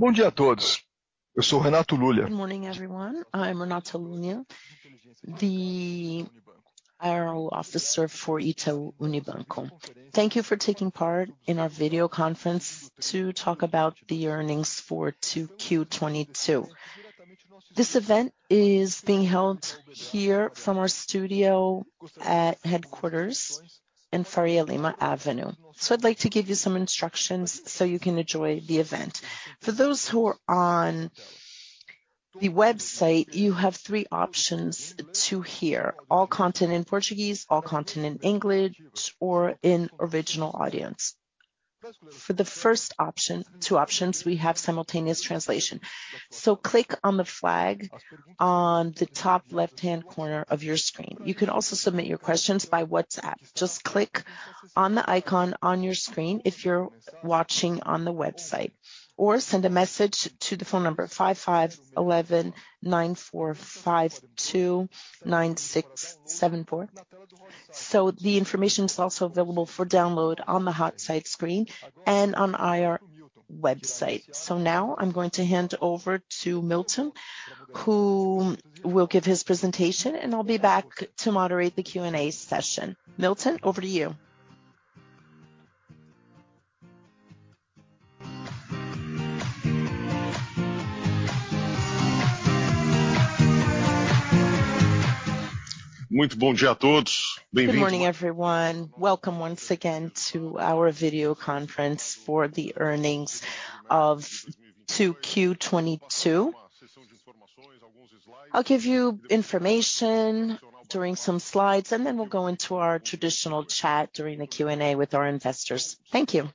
Good morning, everyone. I'm Renato Lulia, the IR officer for Itaú Unibanco. Thank you for taking part in our video conference to talk about the earnings for 2Q 2022. This event is being held here from our studio at headquarters in Faria Lima Avenue. I'd like to give you some instructions so you can enjoy the event. For those who are on the website, you have three options to hear: all content in Portuguese, all content in English, or in original audio. For the first two options, we have simultaneous translation. Click on the flag on the top left-hand corner of your screen. You can also submit your questions by WhatsApp. Just click on the icon on your screen if you're watching on the website, or send a message to the phone number 55-119-452-9674. The information is also available for download on the host site screen and on IR website. Now I'm going to hand over to Milton, who will give his presentation, and I'll be back to moderate the Q&A session. Milton, over to you. Good morning, everyone. Welcome once again to our video conference for the earnings of 2Q 2022. I'll give you information during some slides, and then we'll go into our traditional chat during the Q&A with our investors. Thank you.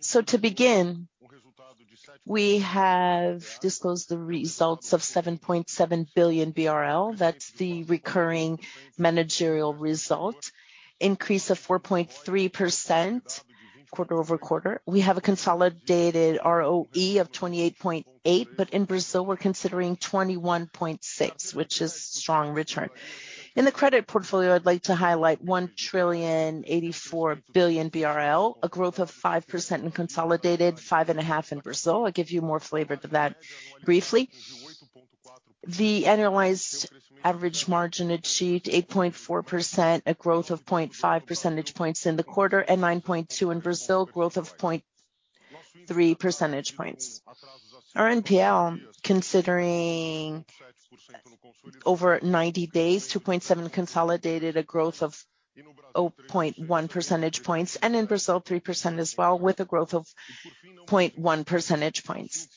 To begin, we have disclosed the results of 7.7 billion BRL. That's the recurring managerial result. Increase of 4.3% quarter-over-quarter. We have a consolidated ROE of 28.8%, but in Brazil, we're considering 21.6%, which is strong return. In the credit portfolio, I'd like to highlight 1,084 billion BRL, a growth of 5% in consolidated, 5.5% in Brazil. I'll give you more flavor to that briefly. The annualized average margin achieved 8.4%, a growth of 0.5 percentage points in the quarter and 9.2% in Brazil, growth of 0.3 percentage points. Our NPL, considering over 90 days, 2.7% consolidated, a growth of 0.1 percentage points, and in Brazil, 3% as well, with a growth of 0.1 percentage points.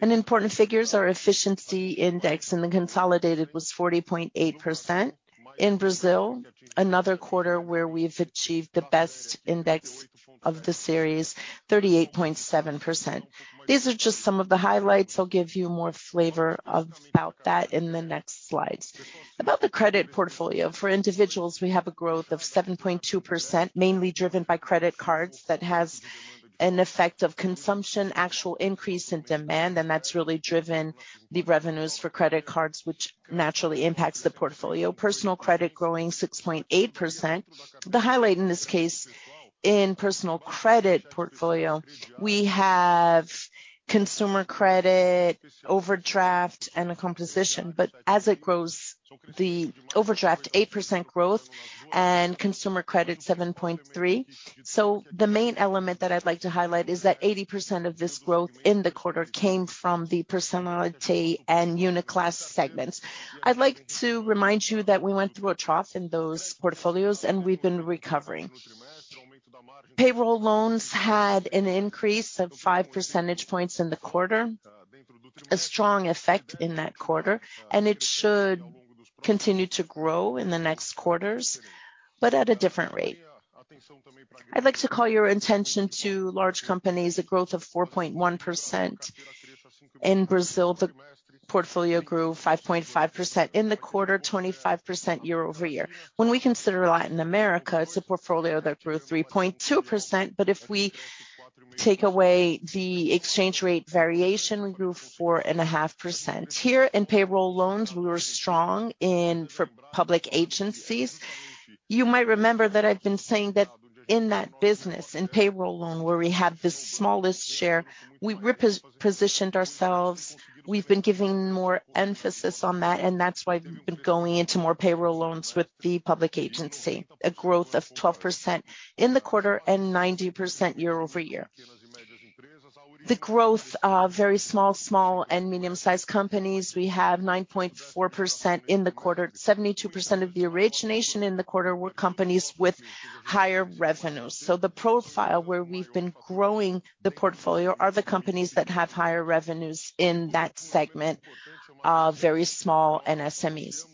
Important figures, our efficiency index in the consolidated was 40.8%. In Brazil, another quarter where we've achieved the best index of the series, 38.7%. These are just some of the highlights. I'll give you more flavor about that in the next slides. About the credit portfolio. For individuals, we have a growth of 7.2%, mainly driven by credit cards that has an effect of consumption, actual increase in demand, and that's really driven the revenues for credit cards, which naturally impacts the portfolio. Personal credit growing 6.8%. The highlight in this case, in personal credit portfolio, we have consumer credit, overdraft, and a composition. But as it grows, the overdraft, 8% growth and consumer credit, 7.3%. The main element that I'd like to highlight is that 80% of this growth in the quarter came from the Personnalité and Uniclass segments. I'd like to remind you that we went through a trough in those portfolios, and we've been recovering. Payroll loans had an increase of 5 percentage points in the quarter, a strong effect in that quarter, and it should continue to grow in the next quarters, but at a different rate. I'd like to call your attention to large companies, a growth of 4.1%. In Brazil, the portfolio grew 5.5%. In the quarter, 25% year-over-year. When we consider Latin America, it's a portfolio that grew 3.2%. But if we take away the exchange rate variation, we grew 4.5%. Here in payroll loans, we were strong for public agencies. You might remember that I've been saying that in that business, in payroll loan, where we have the smallest share, we repositioned ourselves. We've been giving more emphasis on that, and that's why we've been going into more payroll loans with the public agency, a growth of 12% in the quarter and 90% year-over-year. The growth of very small, and medium-sized companies, we have 9.4% in the quarter. 72% of the origination in the quarter were companies with higher revenues. The profile where we've been growing the portfolio are the companies that have higher revenues in that segment of very small MSMEs.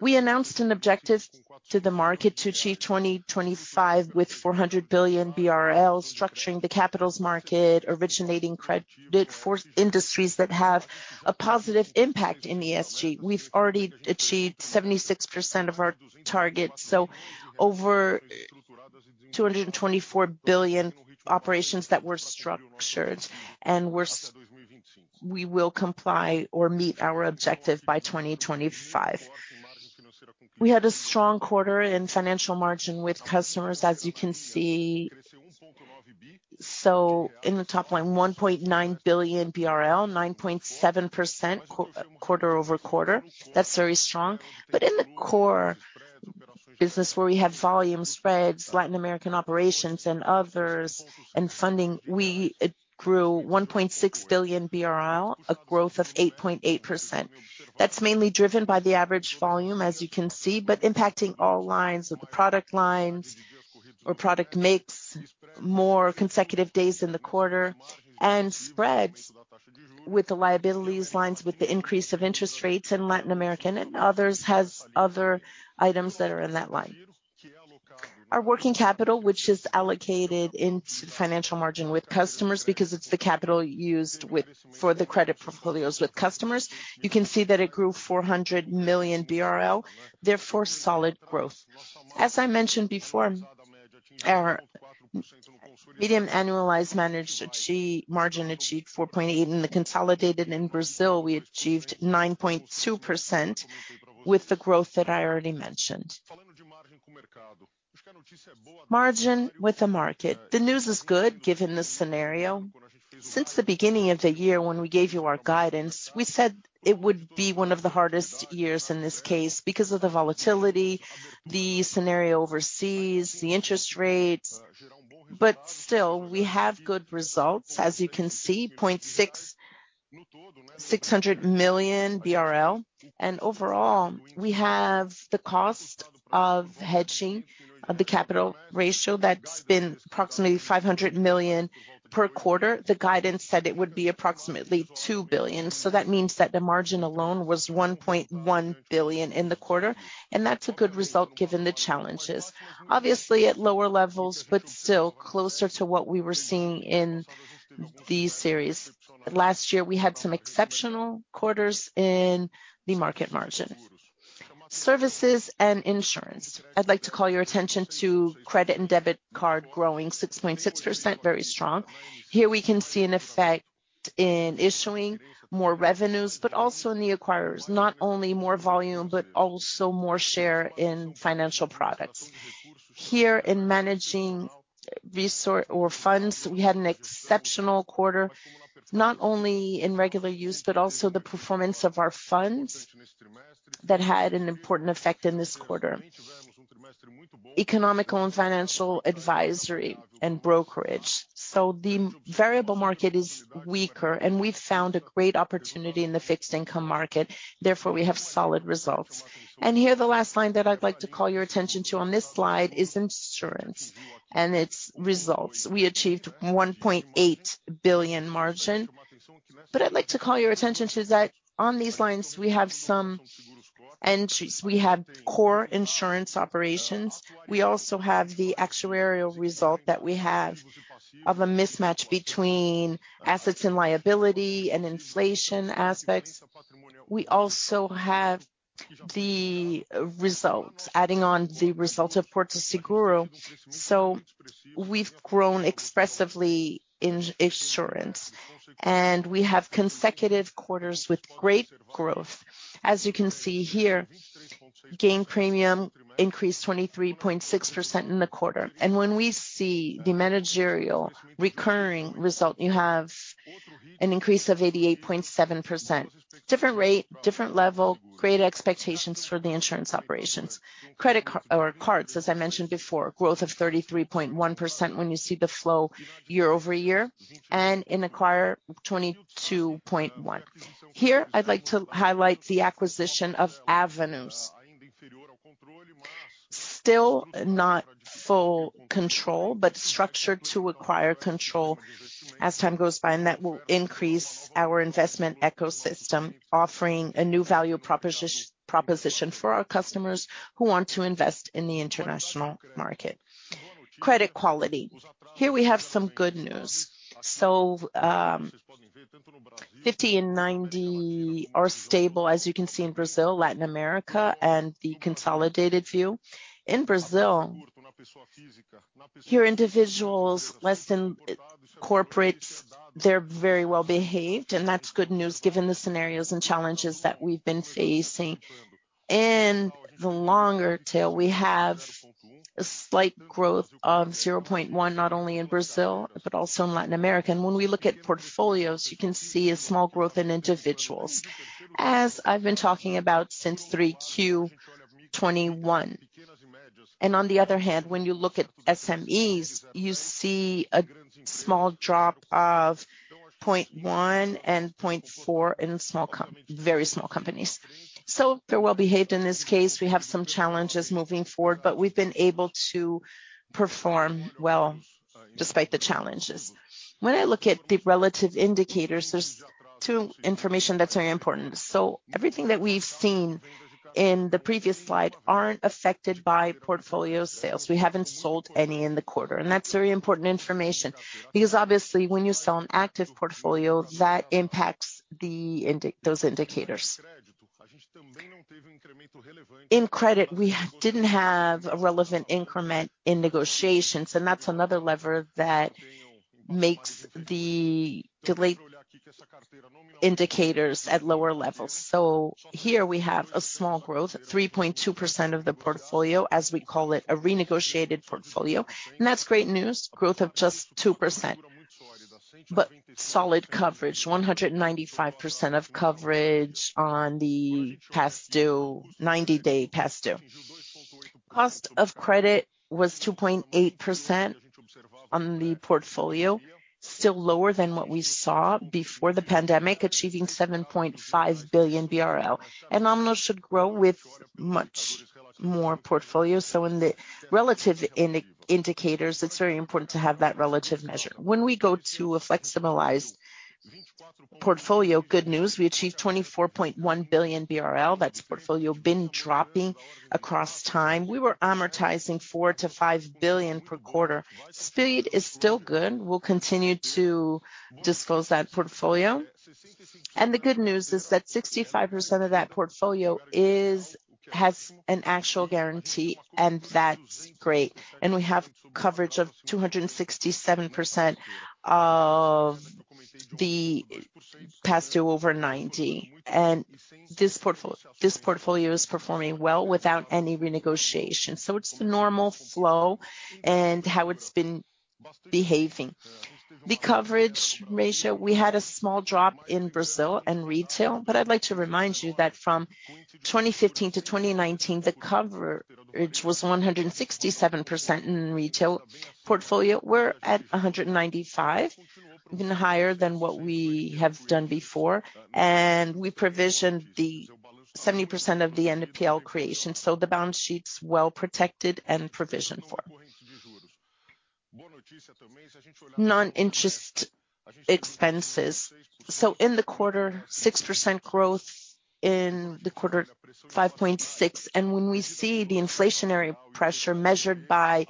We announced an objective to the market to achieve 2025 with 400 billion BRL, structuring the capital markets, originating credit for industries that have a positive impact in ESG. We've already achieved 76% of our target, so over 224 billion operations that were structured, and we will comply or meet our objective by 2025. We had a strong quarter in financial margin with customers, as you can see. In the top line, 1.9 billion, 9.7% quarter-over-quarter. That's very strong. In the core business, where we have volume spreads, Latin American operations and others and funding, we grew 1.6 billion BRL, a growth of 8.8%. That's mainly driven by the average volume, as you can see, but impacting all lines. The product lines or product mix, more consecutive days in the quarter and spreads with the liabilities lines, with the increase of interest rates in Latin American and others has other items that are in that line. Our working capital, which is allocated into financial margin with customers because it's the capital used for the credit portfolios with customers. You can see that it grew 400 million BRL, therefore solid growth. As I mentioned before, our medium annualized managed margin achieved 4.8. In the consolidated in Brazil, we achieved 9.2% with the growth that I already mentioned. Margin with the market. The news is good given the scenario. Since the beginning of the year when we gave you our guidance, we said it would be one of the hardest years in this case because of the volatility, the scenario overseas, the interest rates. Still, we have good results, as you can see, 600 million BRL. Overall, we have the cost of hedging of the capital ratio that's been approximately 500 million per quarter. The guidance said it would be approximately 2 billion. That means that the margin alone was 1.1 billion in the quarter, and that's a good result given the challenges. Obviously, at lower levels, but still closer to what we were seeing in the series. Last year, we had some exceptional quarters in the market margin. Services and insurance. I'd like to call your attention to credit and debit card growing 6.6%, very strong. Here we can see an effect in issuing more revenues, but also in the acquirers, not only more volume, but also more share in financial products. Here in asset management, we had an exceptional quarter, not only in regular use, but also the performance of our funds that had an important effect in this quarter. Economic and financial advisory and brokerage. The variable market is weaker, and we found a great opportunity in the fixed income market, therefore we have solid results. Here, the last line that I'd like to call your attention to on this slide is insurance and its results. We achieved 1.8 billion margin. I'd like to call your attention to that, on these lines, we have some entries. We have core insurance operations. We also have the actuarial result that we have of a mismatch between assets and liability and inflation aspects. We also have the results, adding on the results of Porto Seguro. We've grown expressively in insurance, and we have consecutive quarters with great growth. As you can see here, gain premium increased 23.6% in the quarter. When we see the managerial recurring result, you have an increase of 88.7%. Different rate, different level, great expectations for the insurance operations. Credit card or cards, as I mentioned before, growth of 33.1% when you see the flow year-over-year, and in acquire, 22.1%. Here, I'd like to highlight the acquisition of Avenue. Still not full control, but structured to acquire control as time goes by, and that will increase our investment ecosystem, offering a new value proposition for our customers who want to invest in the international market. Credit quality. Here we have some good news. Fifty and ninety are stable, as you can see in Brazil, Latin America, and the consolidated view. In Brazil, here individuals less than corporates, they're very well behaved, and that's good news given the scenarios and challenges that we've been facing. In the longer tail, we have a slight growth of 0.1%, not only in Brazil, but also in Latin America. When we look at portfolios, you can see a small growth in individuals, as I've been talking about since 3Q 2021. On the other hand, when you look at SMEs, you see a small drop of 0.1% and 0.4% in very small companies. They're well behaved in this case. We have some challenges moving forward, but we've been able to perform well despite the challenges. When I look at the relative indicators, there's two information that's very important. Everything that we've seen in the previous slide aren't affected by portfolio sales. We haven't sold any in the quarter, and that's very important information because obviously, when you sell an asset portfolio, that impacts those indicators. In credit, we didn't have a relevant increment in negotiations, and that's another lever that makes the delinquency indicators at lower levels. Here we have a small growth, 3.2% of the portfolio, as we call it, a renegotiated portfolio. That's great news. Growth of just 2%, but solid coverage. 195% of coverage on the past due, 90-day past due. Cost of credit was 2.8% on the portfolio. Still lower than what we saw before the pandemic, achieving 7.5 billion BRL. Nominal should grow with much more portfolio. In the relative indicators, it's very important to have that relative measure. When we go to a flexibilized portfolio, good news, we achieved 24.1 billion BRL. That's portfolio been dropping across time. We were amortizing 4 billion-5 billion per quarter. Speed is still good. We'll continue to disclose that portfolio. The good news is that 65% of that portfolio has an actual guarantee, and that's great. We have coverage of 267% of the past due over ninety. This portfolio is performing well without any renegotiation. It's the normal flow and how it's been behaving. The coverage ratio, we had a small drop in Brazil and retail, but I'd like to remind you that from 2015 to 2019, the coverage was 167% in retail portfolio. We're at 195, even higher than what we have done before. We provisioned 70% of the NPL creation, so the balance sheet's well protected and provisioned for. Non-interest expenses. In the quarter, 6% growth. In the quarter, 5.6%. When we see the inflationary pressure measured by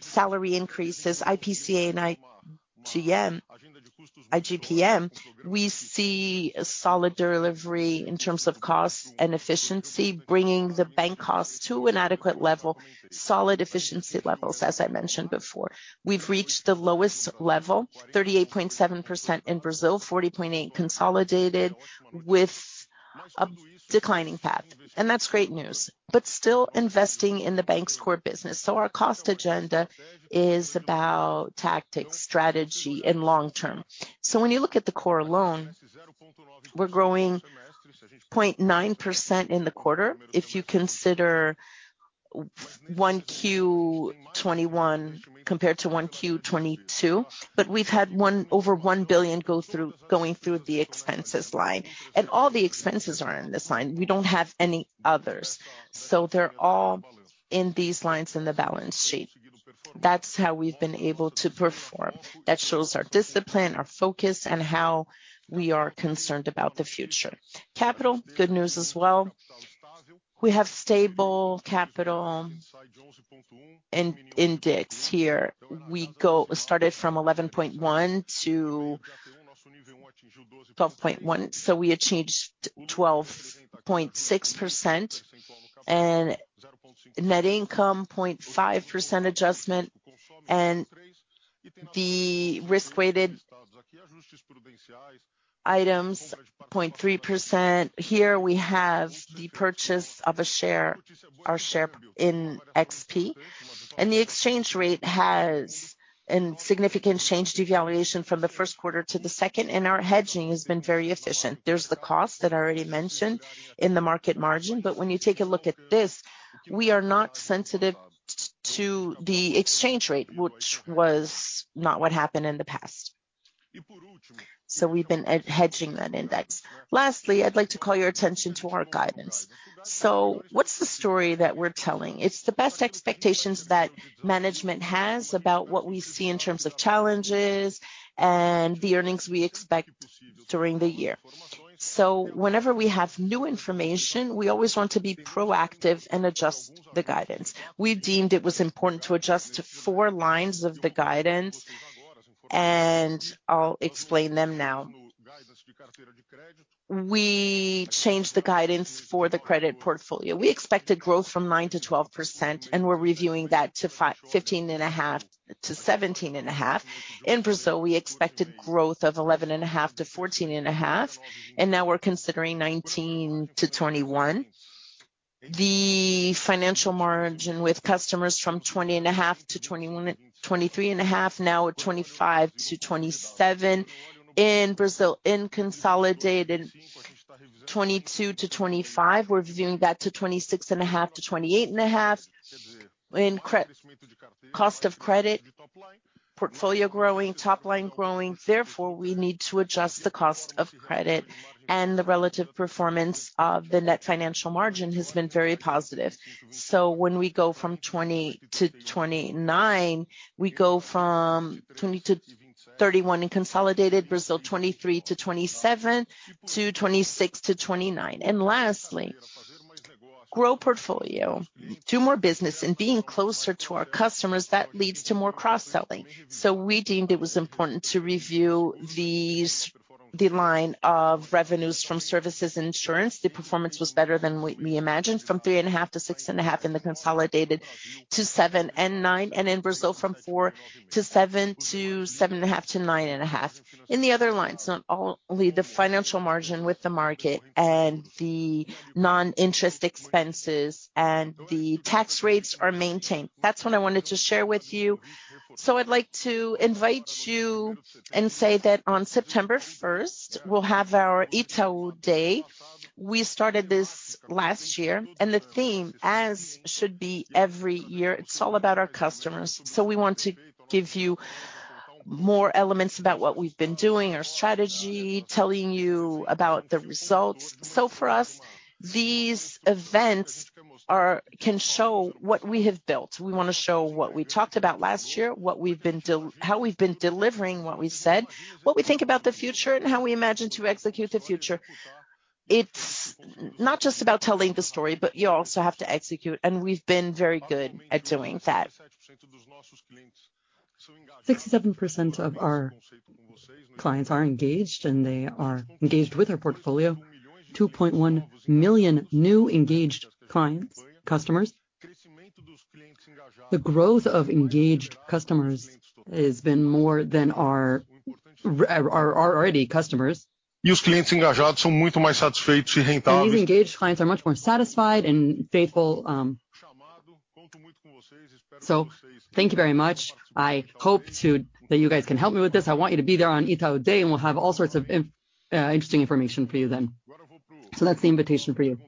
salary increases, IPCA and IGPM, we see a solid delivery in terms of cost and efficiency, bringing the bank costs to an adequate level, solid efficiency levels, as I mentioned before. We've reached the lowest level, 38.7% in Brazil, 40.8% consolidated with a declining path, and that's great news. Still investing in the bank's core business. Our cost agenda is about tactics, strategy, and long term. When you look at the core alone, we're growing 0.9% in the quarter. If you consider 1Q 2021 compared to 1Q 2022. We've had over 1 billion going through the expenses line. All the expenses are in this line. We don't have any others. They're all in these lines in the balance sheet. That's how we've been able to perform. That shows our discipline, our focus, and how we are concerned about the future. Capital, good news as well. We have stable capital indices here. We started from 11.1%-12.1%. We achieved 12.6%. Net income, 0.5% adjustment. The risk-weighted items, 0.3%. Here we have the purchase of a share, our share in XP. The exchange rate has a significant change, devaluation from the first quarter to the second, and our hedging has been very efficient. There's the cost that I already mentioned in the market margin. When you take a look at this, we are not sensitive to the exchange rate, which was not what happened in the past. We've been hedging that index. Lastly, I'd like to call your attention to our guidance. What's the story that we're telling? It's the best expectations that management has about what we see in terms of challenges and the earnings we expect during the year. Whenever we have new information, we always want to be proactive and adjust the guidance. We deemed it was important to adjust four lines of the guidance, and I'll explain them now. We changed the guidance for the credit portfolio. We expected growth from 9%-12%, and we're reviewing that to 15.5%-17.5%. In Brazil, we expected growth of 11.5%-14.5%, and now we're considering 19%-21%. The financial margin with customers from 20.5% to 23.5%, now at 25%-27%. In Brazil, in consolidated, 22%-25%, we're reviewing that to 26.5%-28.5%. In cost of credit, portfolio growing, top line growing, therefore, we need to adjust the cost of credit, and the relative performance of the net financial margin has been very positive. When we go from 20%-29%, we go from 20%-31% in consolidated. Brazil, 23%-27%, to 26%-29%. Lastly, grow portfolio. Do more business and being closer to our customers, that leads to more cross-selling. We deemed it was important to review these. The line of revenues from services and insurance, the performance was better than we imagined. From 3.5%-6.5% in the consolidated to 7% and 9%, and in Brazil from 4%-7% to 7.5%-9.5%. In the other lines, not only the financial margin with the market and the non-interest expenses and the tax rates are maintained. That's what I wanted to share with you. I'd like to invite you and say that on September first we'll have our Itaú Day. We started this last year and the theme, as should be every year, it's all about our customers. We want to give you more elements about what we've been doing, our strategy, telling you about the results. For us, these events can show what we have built. We wanna show what we talked about last year, what we've been delivering what we said, what we think about the future and how we imagine to execute the future. It's not just about telling the story, but you also have to execute, and we've been very good at doing that. 67% of our clients are engaged, and they are engaged with our portfolio. 2.1 million new engaged clients, customers. The growth of engaged customers has been more than our ready customers. These engaged clients are much more satisfied and faithful. Thank you very much. I hope that you guys can help me with this. I want you to be there on Itaú Day, and we'll have all sorts of interesting information for you then. That's the invitation for you.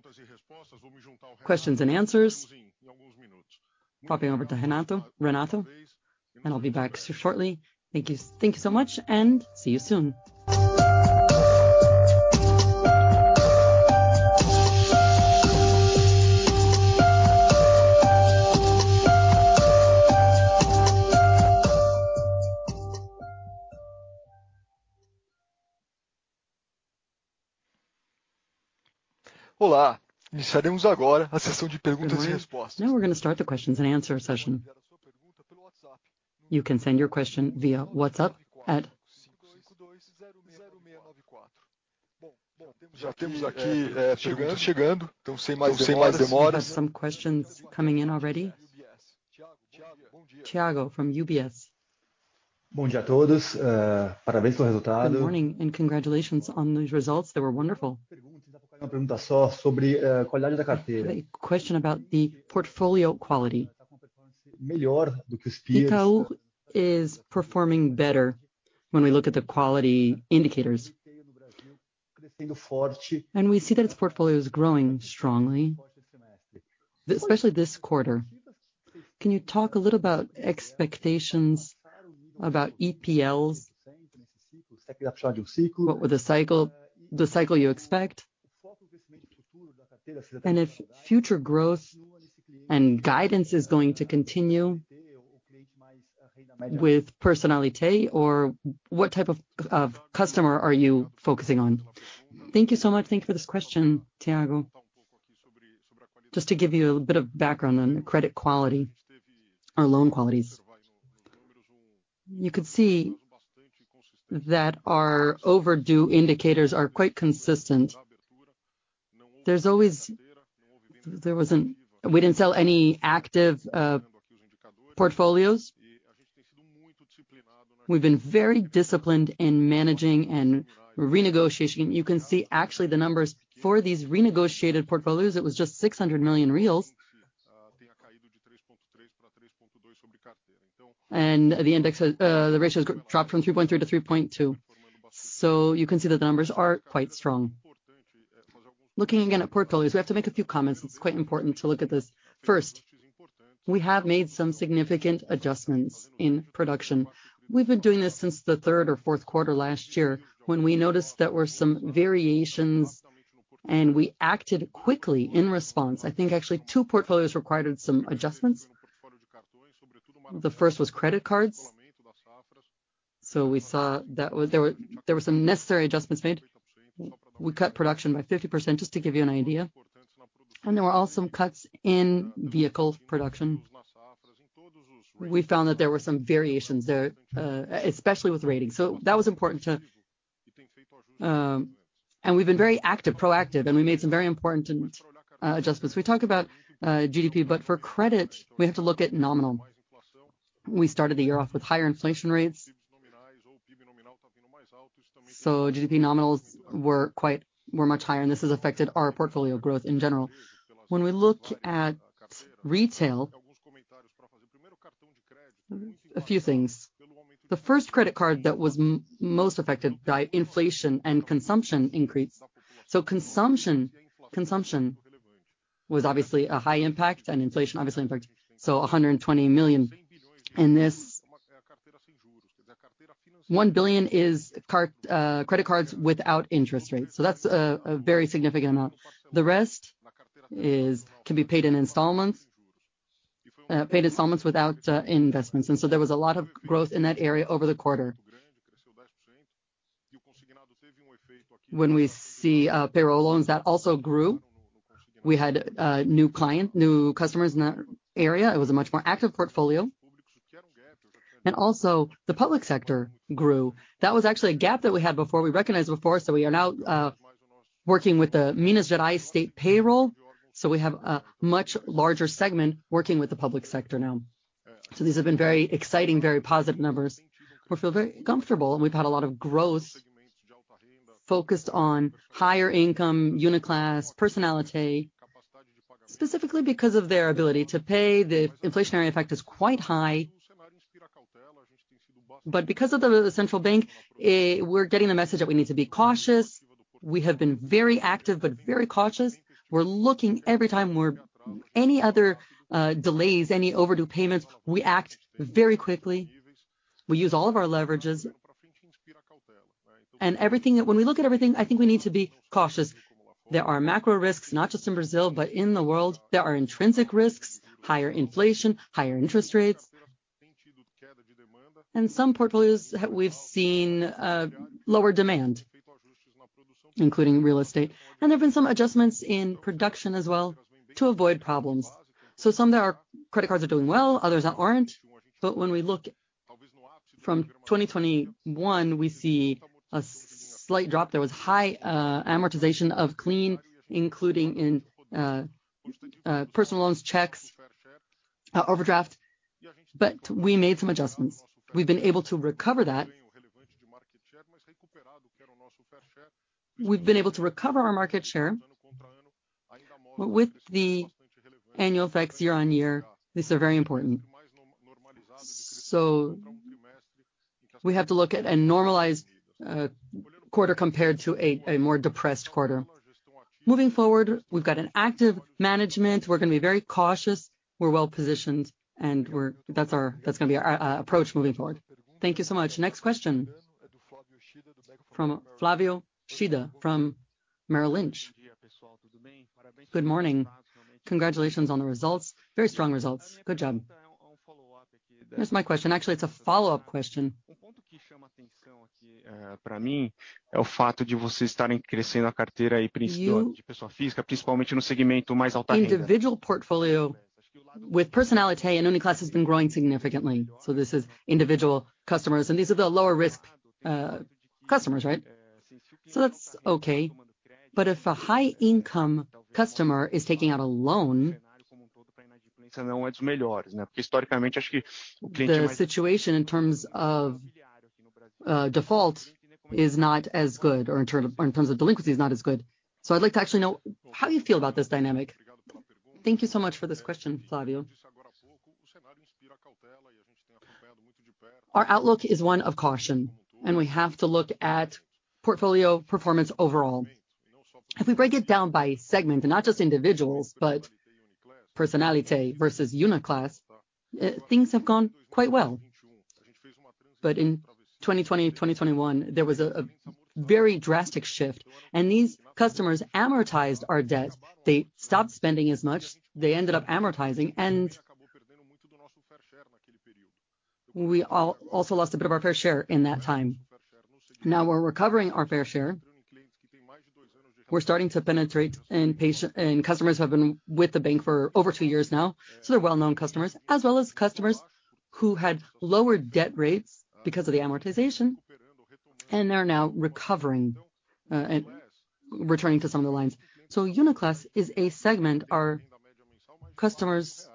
Questions and answers. Popping over to Renato, and I'll be back so shortly. Thank you so much and see you soon. Now we're gonna start the question and answer session. You can send your question via WhatsApp. We have some questions coming in already. Thiago from UBS. Good morning, and congratulations on these results. They were wonderful. A question about the portfolio quality. Itaú is performing better when we look at the quality indicators. We see that its portfolio is growing strongly, especially this quarter. Can you talk a little about expectations about NPLs? What would the cycle you expect? And if future growth and guidance is going to continue with Personnalité or what type of customer are you focusing on? Thank you so much. Thank you for this question, Thiago. Just to give you a little bit of background on the credit quality or loan qualities. You could see that our overdue indicators are quite consistent. We didn't sell any active portfolios. We've been very disciplined in managing and renegotiating. You can see actually the numbers for these renegotiated portfolios; it was just 600 million reais. The index, the ratio has dropped from 3.3 to 3.2. You can see that the numbers are quite strong. Looking again at portfolios, we have to make a few comments. It's quite important to look at this. First, we have made some significant adjustments in production. We've been doing this since the third or fourth quarter last year when we noticed there were some variations, and we acted quickly in response. I think actually two portfolios required some adjustments. The first was credit cards. We saw that there were some necessary adjustments made. We cut production by 50%, just to give you an idea. There were also cuts in vehicle production. We found that there were some variations there, especially with ratings. That was important to. We've been very active, proactive, and we made some very important adjustments. We talk about GDP, but for credit, we have to look at nominal. We started the year off with higher inflation rates. GDP nominals were much higher, and this has affected our portfolio growth in general. When we look at retail. A few things. The first credit card that was most affected by inflation and consumption increase. Consumption was obviously a high impact and inflation obviously impacted. 120 million in this. 1 billion in card credit cards without interest rates. That's a very significant amount. The rest can be paid in installments, paid installments without investments. There was a lot of growth in that area over the quarter. When we see payroll loans, that also grew. We had new customers in that area. It was a much more active portfolio. The public sector grew. That was actually a gap that we had before. We recognized before, so we are now working with the Minas Gerais state payroll. We have a much larger segment working with the public sector now. These have been very exciting, very positive numbers. We feel very comfortable, and we've had a lot of growth focused on higher income Uniclass, Personnalité, specifically because of their ability to pay. The inflationary effect is quite high. Because of the Central Bank, we're getting the message that we need to be cautious. We have been very active but very cautious. We're looking every time we're any other delays, any overdue payments, we act very quickly. We use all of our leverages. When we look at everything, I think we need to be cautious. There are macro risks, not just in Brazil, but in the world. There are intrinsic risks, higher inflation, higher interest rates. Some portfolios we've seen lower demand, including real estate. There have been some adjustments in production as well to avoid problems. Some of our credit cards are doing well, others aren't. When we look from 2021, we see a slight drop. There was high amortization of clean, including in personal loans, checks, overdraft. We made some adjustments. We've been able to recover that. We've been able to recover our market share. With the annual effects year on year, these are very important. We have to look at a normalized quarter compared to a more depressed quarter. Moving forward, we've got an active management. We're gonna be very cautious. We're well-positioned, and that's gonna be our approach moving forward. Thank you so much. Next question from Flavio Yoshida from Merrill Lynch. Good morning. Congratulations on the results. Very strong results. Good job. Here's my question. Actually, it's a follow-up question. Individual portfolio with Personnalité and Uniclass has been growing significantly. So this is individual customers, and these are the lower risk customers, right? So that's okay. If a high-income customer is taking out a loan, the situation in terms of default is not as good, or in terms of delinquency is not as good. I'd like to actually know how you feel about this dynamic. Thank you so much for this question, Flavio. Our outlook is one of caution, and we have to look at portfolio performance overall. If we break it down by segment, not just individuals, but Personnalité versus Uniclass, things have gone quite well. In 2020, 2021, there was a very drastic shift, and these customers amortized our debt. They stopped spending as much. They ended up amortizing. We also lost a bit of our fair share in that time. Now we're recovering our fair share. We're starting to penetrate in customers who have been with the bank for over two years now, so they're well-known customers, as well as customers who had lower debt rates because of the amortization and are now recovering and returning to some of the lines. Uniclass is a segment. Our customers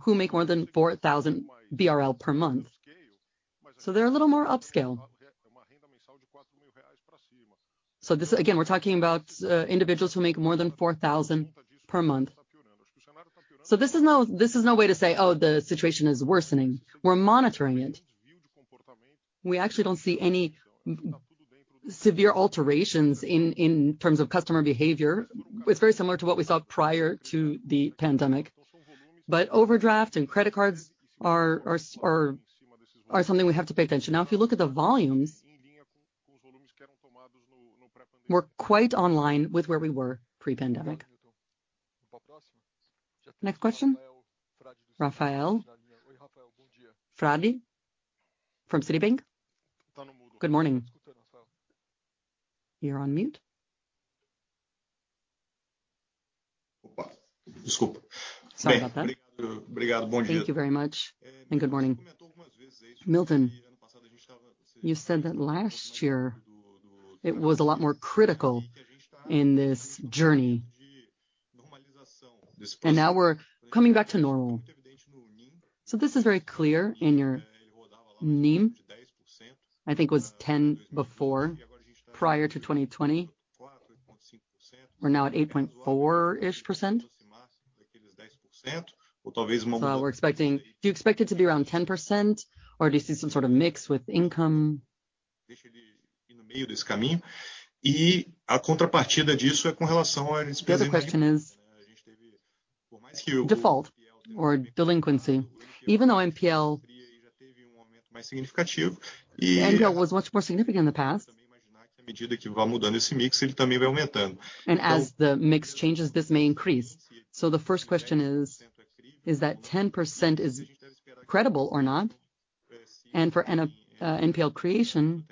who make more than 4,000 BRL per month, so they're a little more upscale. This, again, we're talking about individuals who make more than 4,000 per month. This is no way to say, "Oh, the situation is worsening." We're monitoring it. We actually don't see any severe alterations in terms of customer behavior. It's very similar to what we saw prior to the pandemic. Overdraft and credit cards are something we have to pay attention. Now, if you look at the volumes, we're quite online with where we were pre-pandemic. Next question. Rafael Frade from Citi. Good morning. You're on mute. Sorry about that. Thank you very much, and good morning. Milton, you said that last year it was a lot more critical in this journey, and now we're coming back to normal. This is very clear in your NIM. I think it was 10% before, prior to 2020. We're now at 8.4%-ish. We're expecting. Do you expect it to be around 10%, or do you see some sort of mix with income? The other question is default or delinquency. Even though NPL was much more significant in the past. As the mix changes, this may increase. The first question is that 10% credible or not? For NPL creation,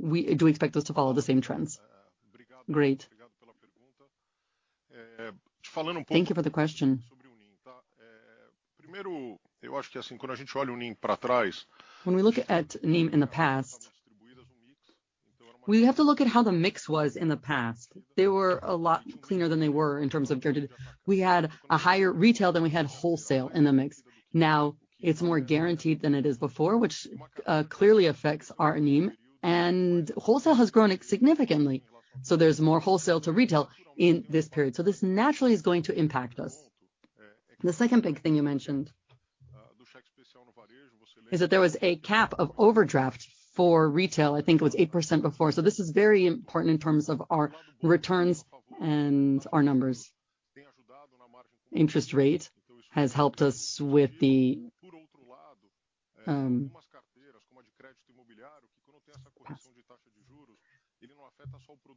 do we expect this to follow the same trends? Great. Thank you for the question. When we look at NIM in the past, we have to look at how the mix was in the past. They were a lot cleaner than they were in terms of guaranteed. We had a higher retail than we had wholesale in the mix. Now it's more guaranteed than it is before, which clearly affects our NIM and wholesale has grown significantly. There's more wholesale to retail in this period. This naturally is going to impact us. The second big thing you mentioned is that there was a cap of overdraft for retail. I think it was 8% before. This is very important in terms of our returns and our numbers. Interest rate has helped us with the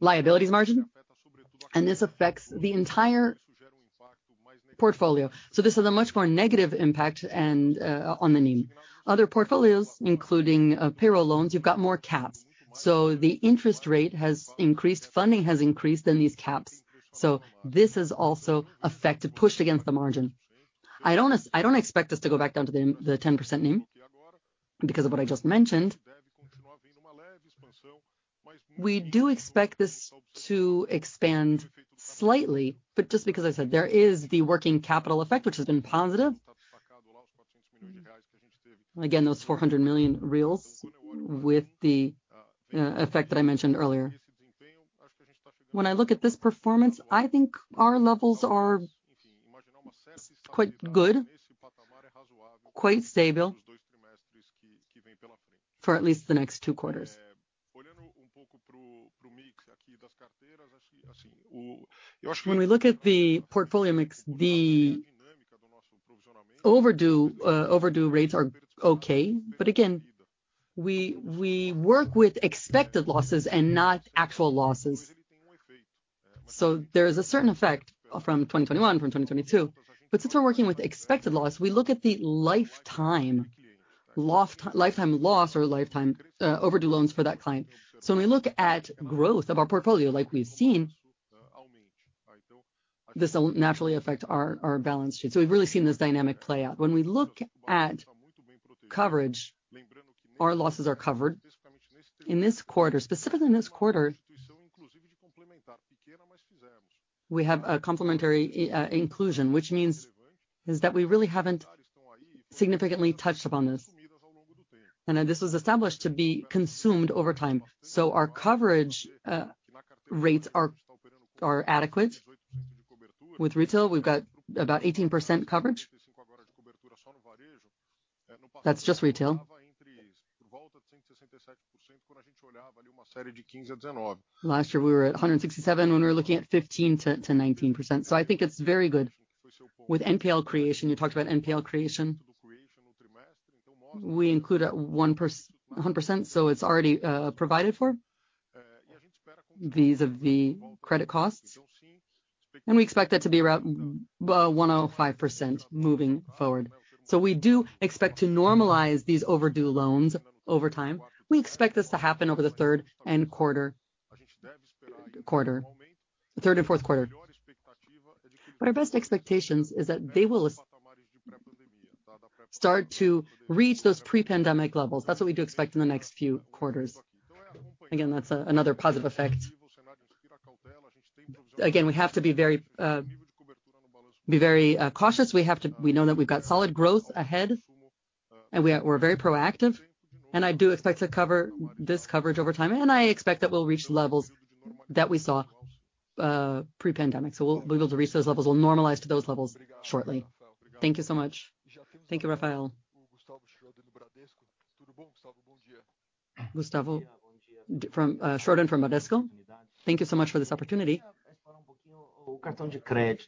liabilities margin, and this affects the entire portfolio. This is a much more negative impact and on the NIM. Other portfolios, including payroll loans, you've got more caps. The interest rate has increased, funding has increased in these caps, so this has also affected, pushed against the margin. I don't expect this to go back down to the 10% NIM because of what I just mentioned. We do expect this to expand slightly, but just because I said there is the working capital effect which has been positive. Again, those 400 million with the effect that I mentioned earlier. When I look at this performance, I think our levels are quite good, quite stable for at least the next two quarters. When we look at the portfolio mix, the overdue rates are okay. But again, we work with expected losses and not actual losses. There is a certain effect from 2021, from 2022. But since we're working with expected loss, we look at the lifetime loss or lifetime overdue loans for that client. When we look at growth of our portfolio, like we've seen, this will naturally affect our balance sheet. We've really seen this dynamic play out. When we look at coverage, our losses are covered. In this quarter, specifically in this quarter, we have a complementary inclusion, which means is that we really haven't significantly touched upon this. Then this was established to be consumed over time. Our coverage rates are adequate. With retail, we've got about 18% coverage. That's just retail. Last year we were at 167 when we were looking at 15%-19%. I think it's very good. With NPL creation, you talked about NPL creation. We include 100%, so it's already provided for. These are the credit costs, and we expect that to be around 105% moving forward. We do expect to normalize these overdue loans over time. We expect this to happen over the third and fourth quarter. Our best expectations is that they will start to reach those pre-pandemic levels. That's what we do expect in the next few quarters. Again, that's another positive effect. Again, we have to be very cautious. We know that we've got solid growth ahead and we're very proactive. I do expect to cover this coverage over time. I expect that we'll reach levels that we saw pre-pandemic. We'll be able to reach those levels. We'll normalize to those levels shortly. Thank you so much. Thank you Raphael. Gustavo Schroden from Bradesco. Thank you so much for this opportunity.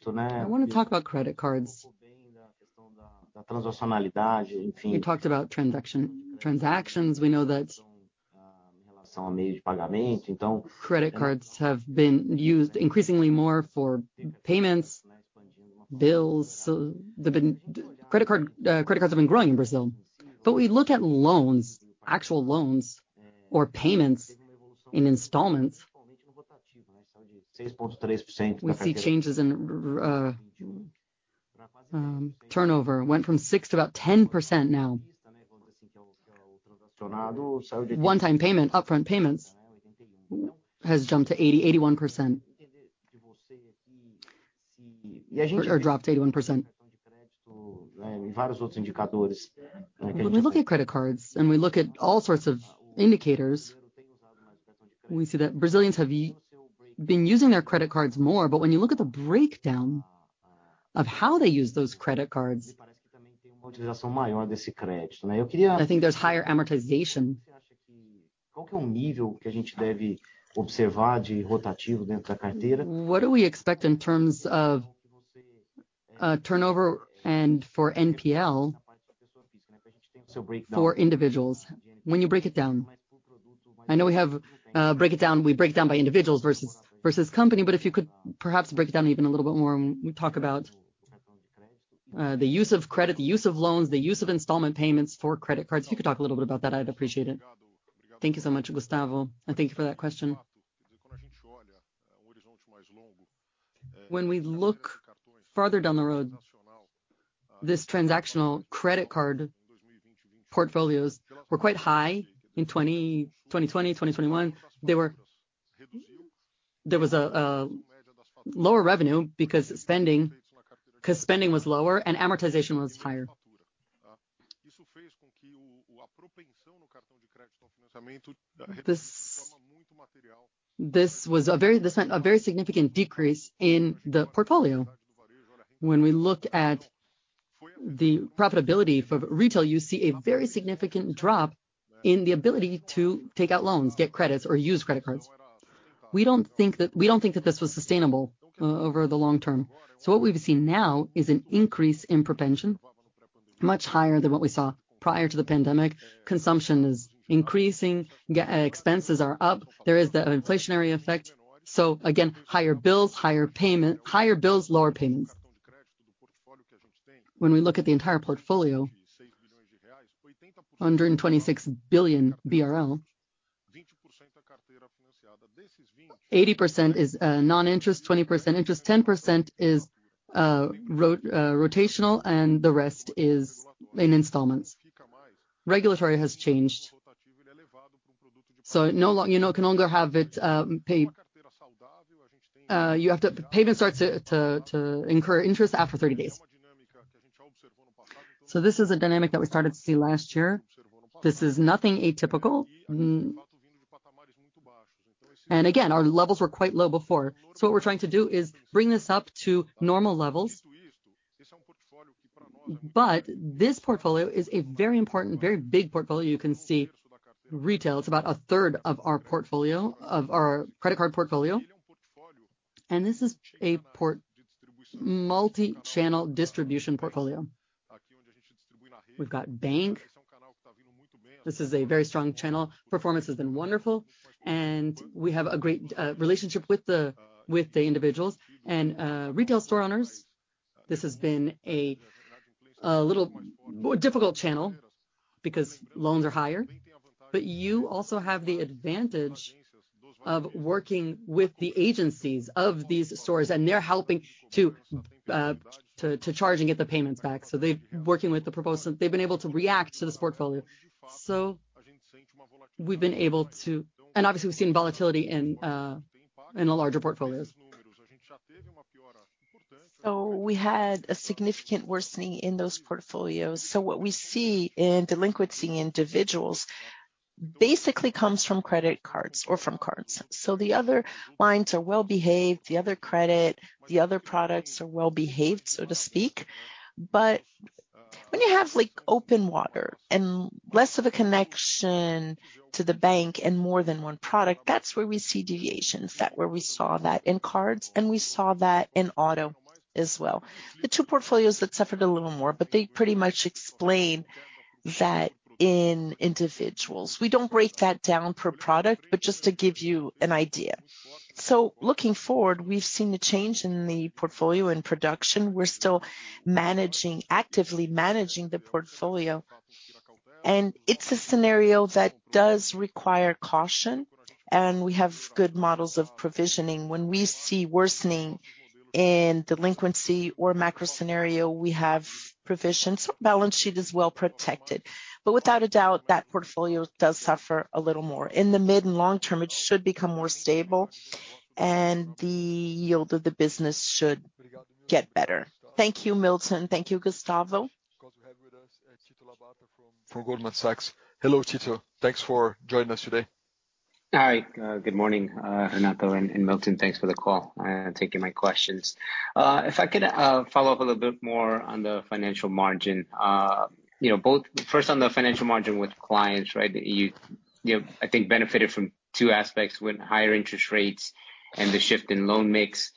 I want to talk about credit cards. We talked about transactions. We know that credit cards have been used increasingly more for payments, bills. Credit cards have been growing in Brazil. We look at loans, actual loans or payments in installments. We see changes in turnover went from 6% to about 10% now. One-time payment, upfront payments has jumped to 81%. Dropped to 81%. When we look at credit cards and we look at all sorts of indicators, we see that Brazilians have been using their credit cards more. When you look at the breakdown of how they use those credit cards, I think there's higher amortization. What do we expect in terms of turnover and for NPL for individuals when you break it down? I know we have break it down. We break it down by individuals versus company. If you could perhaps break it down even a little bit more when we talk about the use of credit, the use of loans, the use of installment payments for credit cards. If you could talk a little bit about that, I'd appreciate it. Thank you so much, Gustavo, and thank you for that question. When we look farther down the road, this transactional credit card portfolios were quite high in 2020, 2021. They were. There was a lower revenue because spending, 'cause spending was lower and amortization was higher. This meant a very significant decrease in the portfolio. When we look at the profitability for retail, you see a very significant drop in the ability to take out loans, get credits, or use credit cards. We don't think that this was sustainable over the long term. What we've seen now is an increase in propensity, much higher than what we saw prior to the pandemic. Consumption is increasing, expenses are up. There is the inflationary effect. Again, higher bills, higher payment. Higher bills, lower payments. When we look at the entire portfolio, under 26 billion BRL, 80% is non-interest, 20% interest, 10% is rotational, and the rest is in installments. Regulations have changed. It can no longer have it paid. Payment starts to incur interest after 30 days. This is a dynamic that we started to see last year. This is nothing atypical. Again, our levels were quite low before. What we're trying to do is bring this up to normal levels. This portfolio is a very important, very big portfolio. You can see retail. It's about a third of our portfolio of our credit card portfolio. This is a multi-channel distribution portfolio. We've got bank. This is a very strong channel. Performance has been wonderful, and we have a great relationship with the individuals and retail store owners. This has been a little difficult channel because loans are higher. You also have the advantage of working with the agencies of these stores, and they're helping to charge and get the payments back. They're working with the proposal. They've been able to react to this portfolio. We've been able to. Obviously, we've seen volatility in the larger portfolios. We had a significant worsening in those portfolios. What we see in delinquency individuals basically comes from credit cards or from cards. The other lines are well behaved. The other credit, the other products are well behaved, so to speak. When you have like open water and less of a connection to the bank and more than one product, that's where we see deviations. That's where we saw that in cards, and we saw that in auto as well. The two portfolios that suffered a little more, but they pretty much explain that in individuals. We don't break that down per product, but just to give you an idea. looking forward, we've seen a change in the portfolio and production. We're still managing, actively managing the portfolio. it's a scenario that does require caution, and we have good models of provisioning. When we see worsening in delinquency or macro scenario, we have provisions. balance sheet is well protected. without a doubt, that portfolio does suffer a little more. In the mid and long term, it should become more stable, and the yield of the business should get better. Thank you, Milton. Thank you, Gustavo. Of course, we have with us, Tito Labarta from Goldman Sachs. Hello, Tito. Thanks for joining us today. Hi. Good morning, Renato and Milton. Thanks for the call and taking my questions. If I could follow up a little bit more on the financial margin. You know, first on the financial margin with clients, right? You know, I think benefited from two aspects with higher interest rates and the shift in loan mix,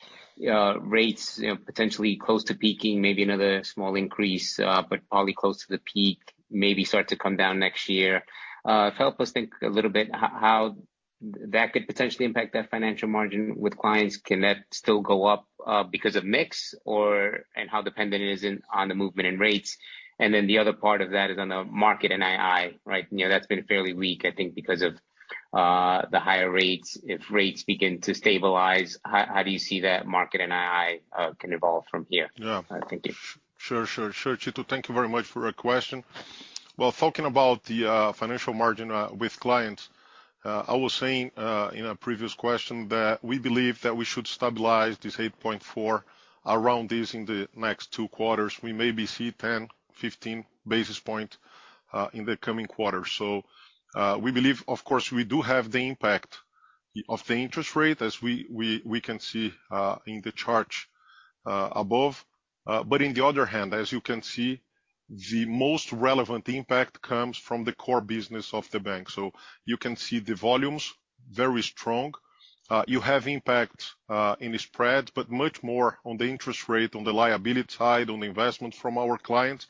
rates, you know, potentially close to peaking, maybe another small increase, but probably close to the peak, maybe start to come down next year. Help us think a little bit how that could potentially impact that financial margin with clients. Can that still go up because of mix or and how dependent it is on the movement in rates? And then the other part of that is on the market and II, right? You know, that's been fairly weak, I think, because of the higher rates. If rates begin to stabilize, how do you see that market and Itaú can evolve from here? Yeah. Thank you. Sure. Tito, thank you very much for your question. Well, talking about the financial margin with clients, I was saying in a previous question that we believe that we should stabilize this 8.4% around this in the next two quarters. We may see 10-15 basis points in the coming quarters. We believe, of course, we do have the impact of the interest rate as we can see in the chart above. But on the other hand, as you can see, the most relevant impact comes from the core business of the bank. You can see the volumes, very strong. You have impact in the spread, but much more on the interest rate, on the liability side, on investment from our clients,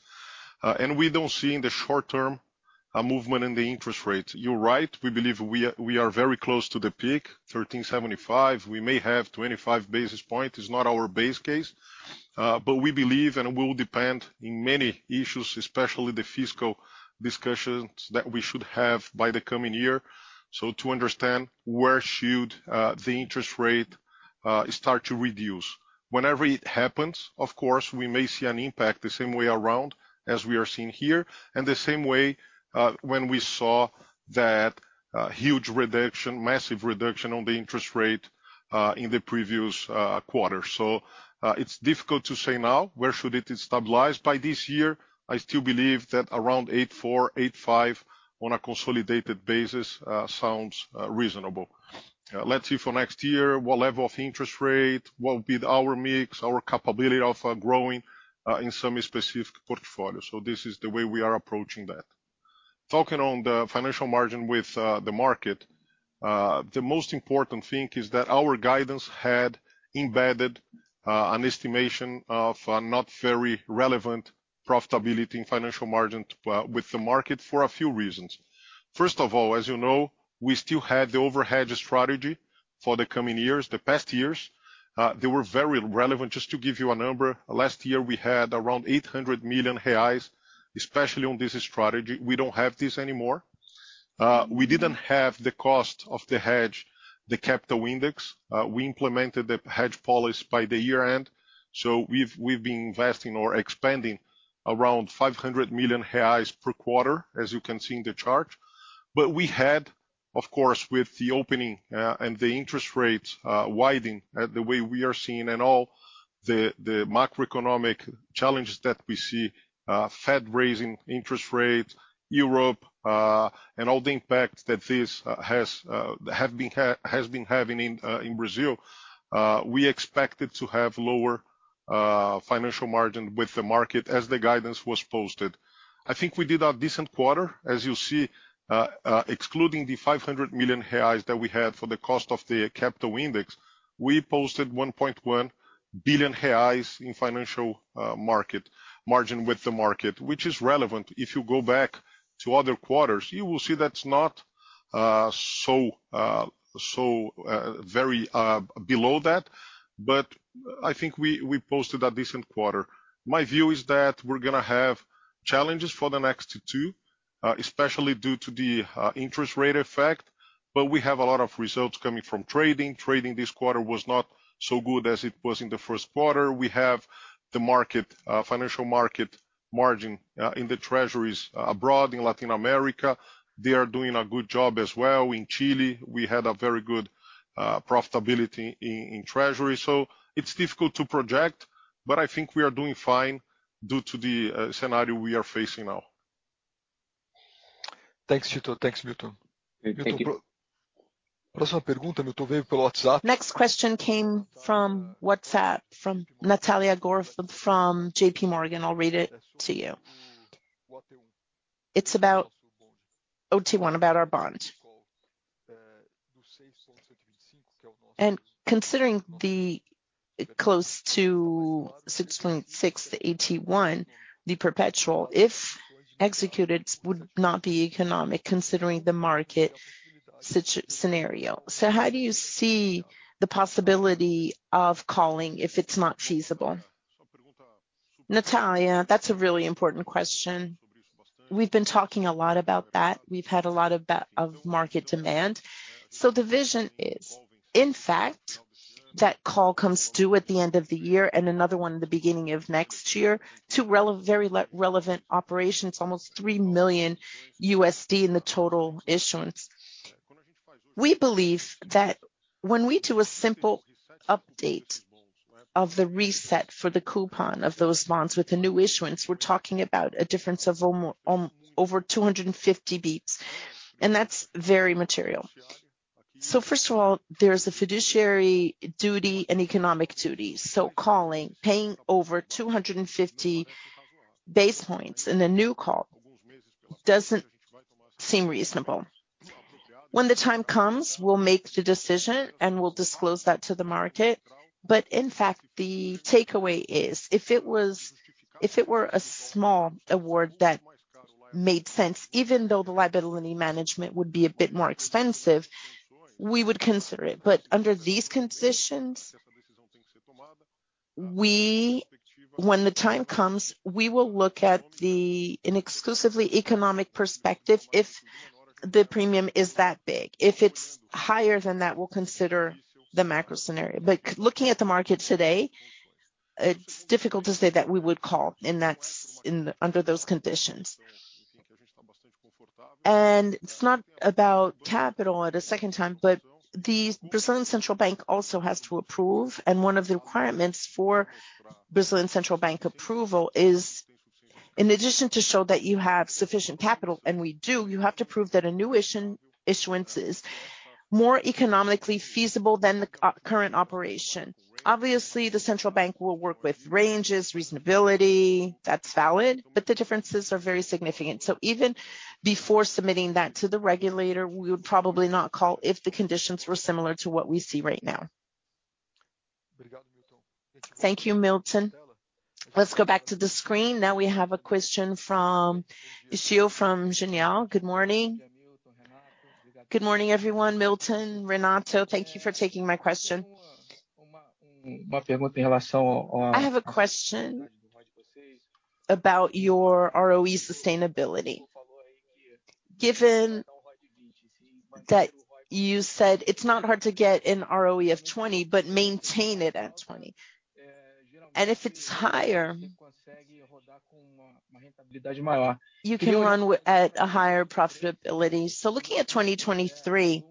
and we don't see in the short term a movement in the interest rate. You're right, we believe we are very close to the peak, 13.75%. We may have 25 basis points. It's not our base case, but we believe it will depend on many issues, especially the fiscal discussions that we should have by the coming year. To understand where the interest rate should start to reduce. Whenever it happens, of course, we may see an impact the same way around as we are seeing here, and the same way when we saw that huge reduction, massive reduction on the interest rate in the previous quarter. It's difficult to say now. Where should it stabilize by this year? I still believe that around 8.4%-8.5% on a consolidated basis sounds reasonable. Let's see for next year what level of interest rate, what will be our mix, our capability of growing in some specific portfolios. This is the way we are approaching that. Talking on the financial margin with the market, the most important thing is that our guidance had embedded an estimation of a not very relevant profitability in financial margin with the market for a few reasons. First of all, as you know, we still have the overhedge strategy for the coming years. The past years, they were very relevant. Just to give you a number, last year we had around 800 million reais, especially on this strategy. We don't have this anymore. We didn't have the cost of the hedge, the capital index. We implemented the hedge policy by the year-end, so we've been investing or expanding around 500 million reais per quarter, as you can see in the chart. We had, of course, with the opening, and the interest rates widening, the way we are seeing and all the macroeconomic challenges that we see, Fed raising interest rates, Europe, and all the impact that this has been having in Brazil, we expected to have lower financial margin with the market as the guidance was posted. I think we did a decent quarter. As you see, excluding the 500 million reais that we had for the cost of the capital index, we posted 1.1 billion reais in financial market margin with the market, which is relevant. If you go back to other quarters, you will see that's not so very below that. I think we posted a decent quarter. My view is that we're gonna have challenges for the next two, especially due to the interest rate effect, but we have a lot of results coming from trading. Trading this quarter was not so good as it was in the first quarter. We have the market financial market margin in the treasuries abroad. In Latin America, they are doing a good job as well. In Chile, we had a very good profitability in treasury. It's difficult to project, but I think we are doing fine due to the scenario we are facing now. Thanks, Tito. Thanks, Milton. Thank you. Milton, bro- Next question came from WhatsApp, from Natalia Corfield from JPMorgan. I'll read it to you. It's about AT1, about our bond. Considering the close to 6.6% AT1, the perpetual, if executed would not be economic considering the market scenario. How do you see the possibility of calling if it's not feasible? Natalia, that's a really important question. We've been talking a lot about that. We've had a lot of of market demand. The vision is, in fact, that call comes due at the end of the year and another one at the beginning of next year. Two very relevant operations, almost $3 million in the total issuance. We believe that when we do a simple update of the reset for the coupon of those bonds with the new issuance, we're talking about a difference of over 250 basis points, and that's very material. First of all, there's a fiduciary duty and economic duty. Calling, paying over 250 basis points in the new call doesn't seem reasonable. When the time comes, we'll make the decision, and we'll disclose that to the market. In fact, the takeaway is, if it were a small award that made sense, even though the liability management would be a bit more expensive, we would consider it. Under these conditions, when the time comes, we will look at an exclusively economic perspective if the premium is that big. If it's higher than that, we'll consider the macro scenario. Looking at the market today, it's difficult to say that we would call, and that's under those conditions. It's not about capital at a second time, but the Brazil Central Bank also has to approve, and one of the requirements for Central Bank approval is, in addition to show that you have sufficient capital, and we do, you have to prove that a new issuance is more economically feasible than the current operation. Obviously, the Central Bank will work with ranges, reasonability, that's valid, but the differences are very significant. Even before submitting that to the regulator, we would probably not call if the conditions were similar to what we see right now. Thank you, Milton. Let's go back to the screen. Now we have a question from Nishio from Genial. Good morning. Good morning, everyone. Milton, Renato, thank you for taking my question. I have a question about your ROE sustainability. Given that you said it's not hard to get an ROE of 20%, but maintain it at 20%. If it's higher, you can run with at a higher profitability. Looking at 2023,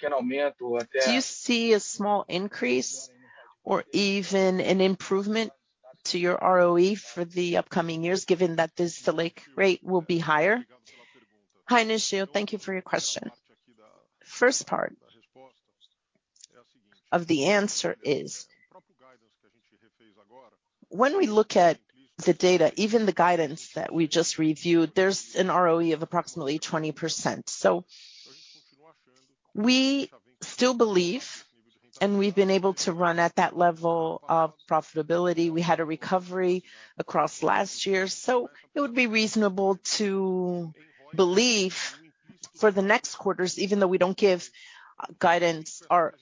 do you see a small increase or even an improvement to your ROE for the upcoming years, given that the Selic rate will be higher? Hi, Nishio. Thank you for your question. First part of the answer is, when we look at the data, even the guidance that we just reviewed, there's an ROE of approximately 20%. We still believe, and we've been able to run at that level of profitability. We had a recovery across last year, so it would be reasonable to believe for the next quarters, even though we don't give guidance or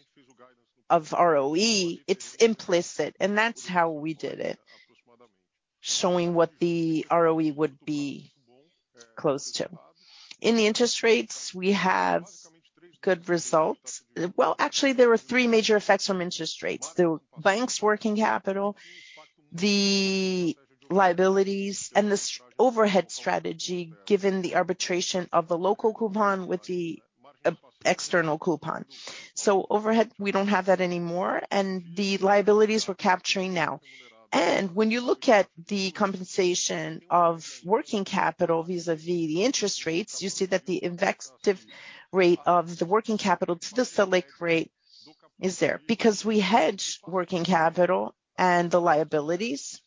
of ROE, it's implicit, and that's how we did it, showing what the ROE would be close to. In the interest rates, we have good results. Well, actually, there were three major effects from interest rates. The bank's working capital, the liabilities, and the overhedge strategy, given the arbitrage of the local coupon with the external coupon. Overhedge, we don't have that anymore, and the liabilities we're capturing now. When you look at the compensation of working capital vis-à-vis the interest rates, you see that the interest rate of the working capital to the Selic rate is there. Because we hedge working capital and the liabilities,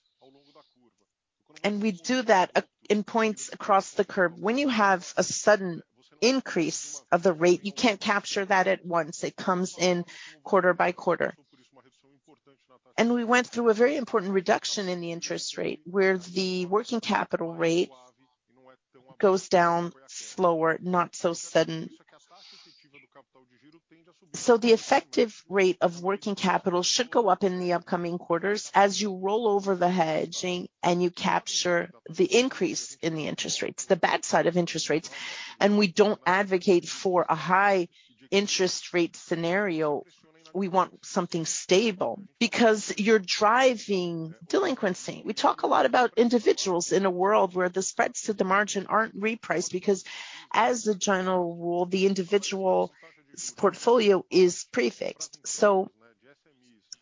and we do that in points across the curve. When you have a sudden increase of the rate, you can't capture that at once. It comes in quarter by quarter. We went through a very important reduction in the interest rate, where the working capital rate goes down slower, not so sudden. The effective rate of working capital should go up in the upcoming quarters as you roll over the hedging and you capture the increase in the interest rates, the bad side of interest rates. We don't advocate for a high interest rate scenario. We want something stable because you're driving delinquency. We talk a lot about individuals in a world where the spreads to the margin aren't repriced because as the general rule, the individual's portfolio is prefixed.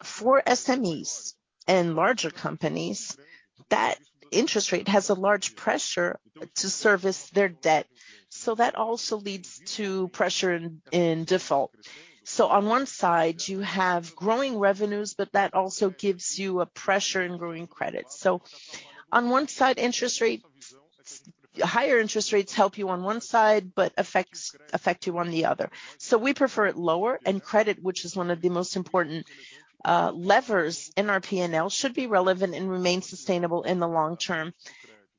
For SMEs and larger companies, that interest rate has a large pressure to service their debt. That also leads to pressure in default. On one side, you have growing revenues, but that also gives you a pressure in growing credit. On one side, higher interest rates help you on one side, but affect you on the other. We prefer it lower. Credit, which is one of the most important, levers in our P&L, should be relevant and remain sustainable in the long term.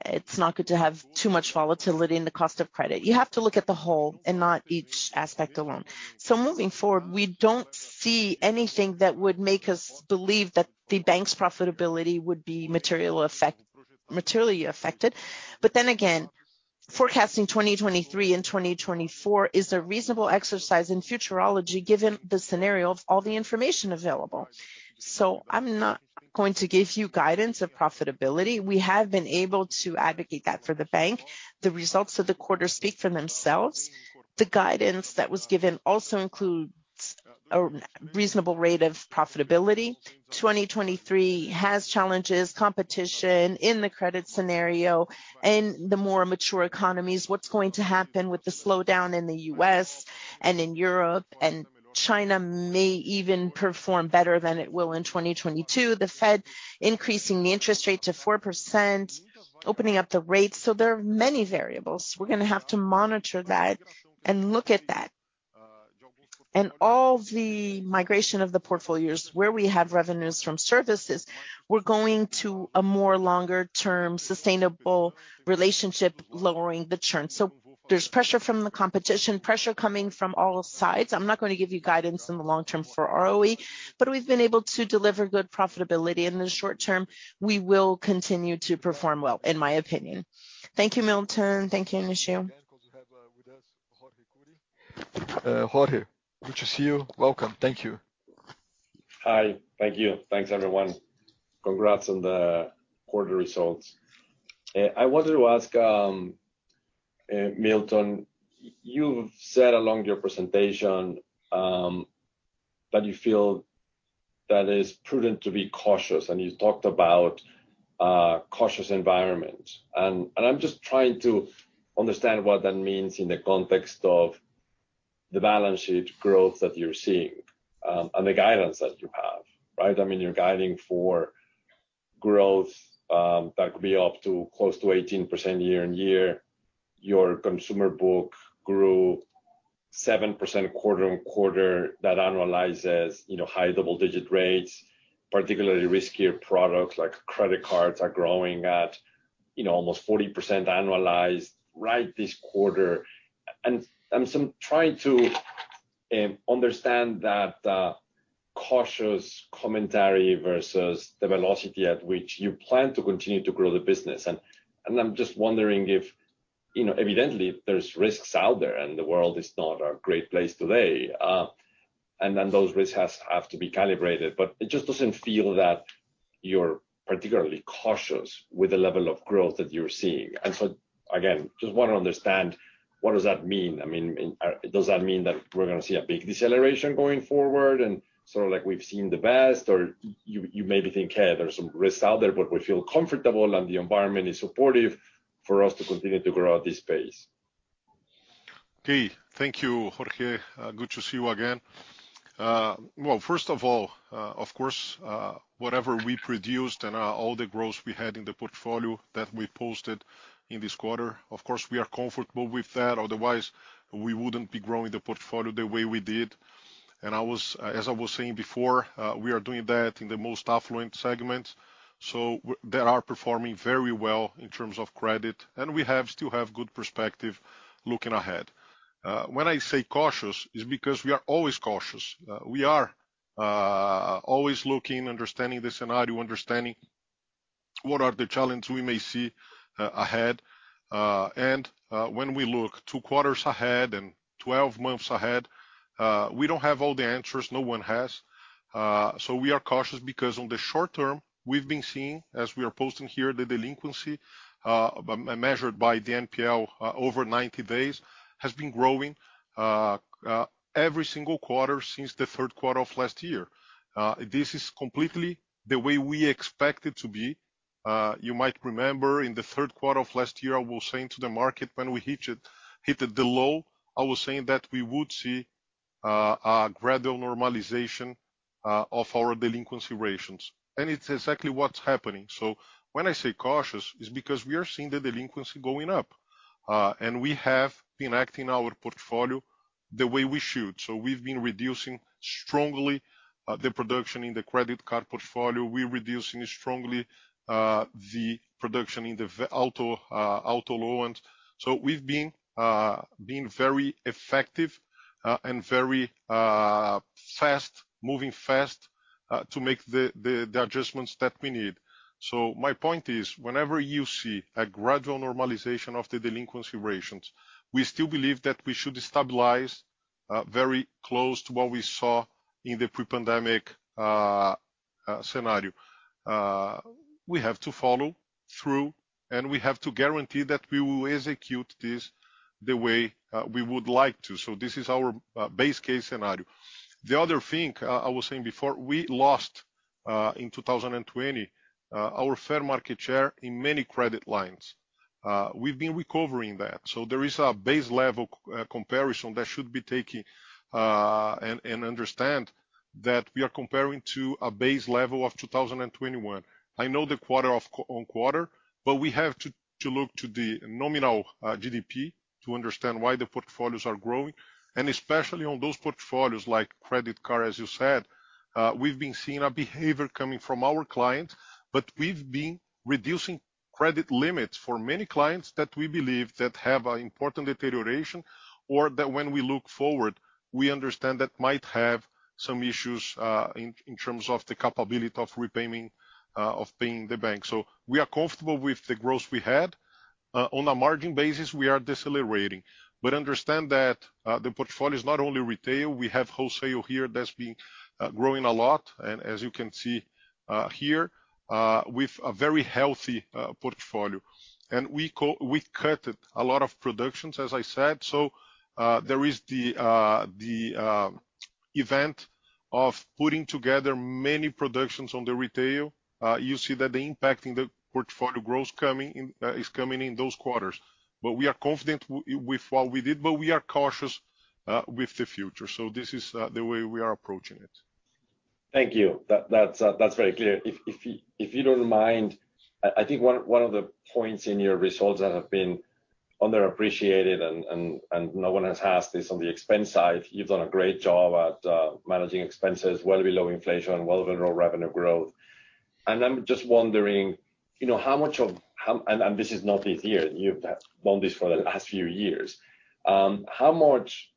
It's not good to have too much volatility in the cost of credit. You have to look at the whole and not each aspect alone. Moving forward, we don't see anything that would make us believe that the bank's profitability would be materially affected. But then again, forecasting 2023 and 2024 is a reasonable exercise in futurology given the scenario of all the information available. I'm not going to give you guidance of profitability. We have been able to advocate that for the bank. The results of the quarter speak for themselves. The guidance that was given also includes a reasonable rate of profitability. 2023 has challenges, competition in the credit scenario, and the more mature economies, what's going to happen with the slowdown in the U.S. and in Europe, and China may even perform better than it will in 2022. The Fed increasing the interest rate to 4%, opening up the rates. There are many variables. We're gonna have to monitor that and look at that. All the migration of the portfolios where we have revenues from services, we're going to a more longer-term sustainable relationship, lowering the churn. There's pressure from the competition, pressure coming from all sides. I'm not gonna give you guidance in the long term for ROE, but we've been able to deliver good profitability. In the short term, we will continue to perform well, in my opinion. Thank you, Milton. Thank you, Nishio. Jorge, good to see you. Welcome. Thank you. Hi. Thank you. Thanks, everyone. Congrats on the quarter results. I wanted to ask, Milton, you've said along your presentation, that you feel that it's prudent to be cautious, and you talked about a cautious environment. I'm just trying to understand what that means in the context of the balance sheet growth that you're seeing, and the guidance that you have, right? I mean, you're guiding for growth that could be up to close to 18% year-on-year. Your consumer book grew 7% quarter-on-quarter, that annualizes, you know, high double-digit rates, particularly riskier products like credit cards are growing at, you know, almost 40% annualized right this quarter. I'm still trying to understand that cautious commentary versus the velocity at which you plan to continue to grow the business. I'm just wondering if, you know, evidently there's risks out there, and the world is not a great place today, and then those risks have to be calibrated. But it just doesn't feel that you're particularly cautious with the level of growth that you're seeing. Again, just wanna understand what does that mean. I mean, does that mean that we're gonna see a big deceleration going forward and sort of like we've seen the best? Or you maybe think, "Hey, there's some risks out there, but we feel comfortable and the environment is supportive for us to continue to grow at this pace. Okay. Thank you, Jorge. Good to see you again. Well, first of all, of course, whatever we produced and all the growth we had in the portfolio that we posted in this quarter, of course, we are comfortable with that, otherwise we wouldn't be growing the portfolio the way we did. As I was saying before, we are doing that in the most affluent segments, so that are performing very well in terms of credit, and we still have good perspective looking ahead. When I say cautious, is because we are always cautious. We are always looking, understanding the scenario, understanding what are the challenges we may see ahead. When we look two quarters ahead and 12 months ahead, we don't have all the answers, no one has. We are cautious because in the short term, we've been seeing, as we are posting here, the delinquency measured by the NPL over 90 days has been growing every single quarter since the third quarter of last year. This is completely the way we expect it to be. You might remember in the third quarter of last year, I was saying to the market when we hit the low, I was saying that we would see a gradual normalization of our delinquency ratios. It's exactly what's happening. When I say cautious, it's because we are seeing the delinquency going up and we have been adjusting our portfolio the way we should. We've been reducing strongly the production in the credit card portfolio. We're reducing strongly the production in the auto loans. We've been very effective and very fast, moving fast to make the adjustments that we need. My point is, whenever you see a gradual normalization of the delinquency ratios, we still believe that we should stabilize very close to what we saw in the pre-pandemic scenario. We have to follow through, and we have to guarantee that we will execute this the way we would like to. This is our base case scenario. The other thing I was saying before, we lost in 2020 our market share in many credit lines. We've been recovering that. There is a base level comparison that should be taken, and understand that we are comparing to a base level of 2021. I know the quarter-over-quarter, but we have to look to the nominal GDP to understand why the portfolios are growing, and especially on those portfolios like credit card, as you said, we've been seeing a behavior coming from our client, but we've been reducing credit limits for many clients that we believe that have an important deterioration, or that when we look forward, we understand that might have some issues, in terms of the capability of repaying of paying the bank. We are comfortable with the growth we had. On a margin basis, we are decelerating. Understand that the portfolio is not only retail. We have wholesale here that's been growing a lot. As you can see here with a very healthy portfolio. We cut a lot of provisions, as I said. There is the effort of putting together many provisions in the retail. You see that the impact on the portfolio growth coming in is coming in those quarters. We are confident with what we did, but we are cautious with the future. This is the way we are approaching it. Thank you. That's very clear. If you don't mind, I think one of the points in your results that have been underappreciated and no one has asked this on the expense side, you've done a great job at managing expenses well below inflation and well below revenue growth. I'm just wondering, you know, how much of how and this is not this year, you've done this for the last few years. How much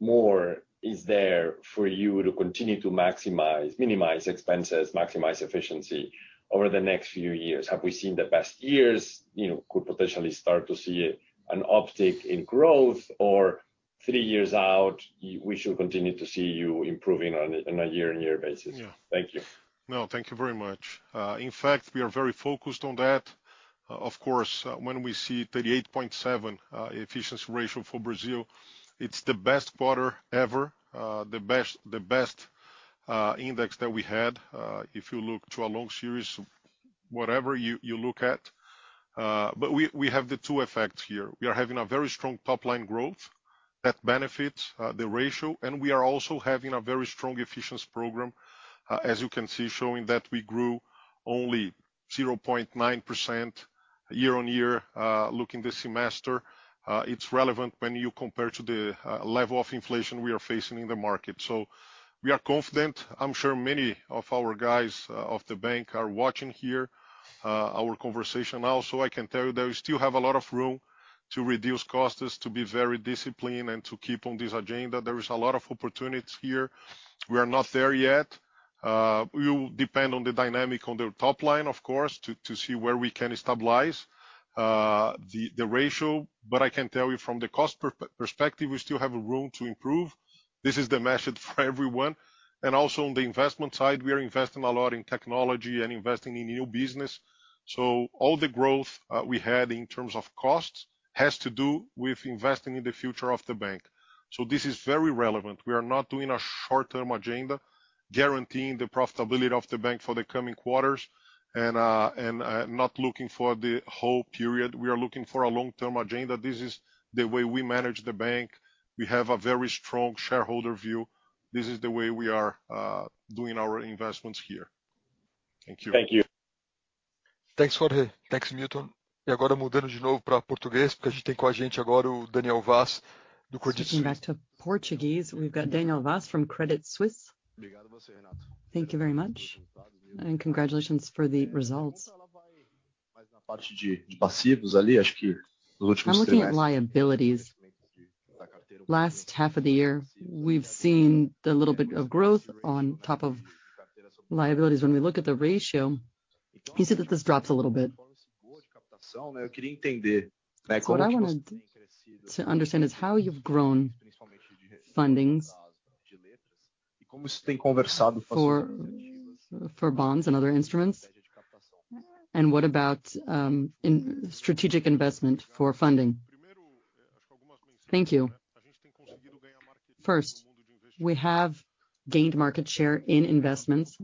more is there for you to continue to maximize, minimize expenses, maximize efficiency over the next few years? Have we seen the best years? You know, could potentially start to see an uptick in growth or three years out, we should continue to see you improving on a year-on-year basis. Yeah. Thank you. No, thank you very much. In fact, we are very focused on that. Of course, when we see 38.7 efficiency ratio for Brazil, it's the best quarter ever, the best index that we had. If you look to a long series, whatever you look at, but we have the two effects here. We are having a very strong top line growth that benefits the ratio, and we are also having a very strong efficiency program, as you can see, showing that we grew only 0.9% year-on-year, looking this semester. It's relevant when you compare to the level of inflation we are facing in the market. We are confident. I'm sure many of our guys of the bank are watching here our conversation. I can tell you that we still have a lot of room to reduce costs, to be very disciplined and to keep on this agenda. There is a lot of opportunities here. We are not there yet. We will depend on the dynamic on the top line, of course, to see where we can stabilize the ratio. I can tell you from the cost perspective, we still have room to improve. This is the message for everyone. Also on the investment side, we are investing a lot in technology and investing in new business. All the growth we had in terms of costs has to do with investing in the future of the bank. This is very relevant. We are not doing a short-term agenda, guaranteeing the profitability of the bank for the coming quarters and not looking for the whole period. We are looking for a long-term agenda. This is the way we manage the bank. We have a very strong shareholder view. This is the way we are doing our investments here. Thank you. Thank you. Thanks, Jorge. Thanks, Milton. Switching back to Portuguese. We've got Daniel Vaz from Credit Suisse. Thank you very much, and congratulations for the results. Now looking at liabilities, last half of the year, we've seen a little bit of growth on top of liabilities. When we look at the ratio, you see that this drops a little bit. What I want to understand is how you've grown fundings for bonds and other instruments. What about strategic investment for funding? Thank you. First, we have gained market share in investments,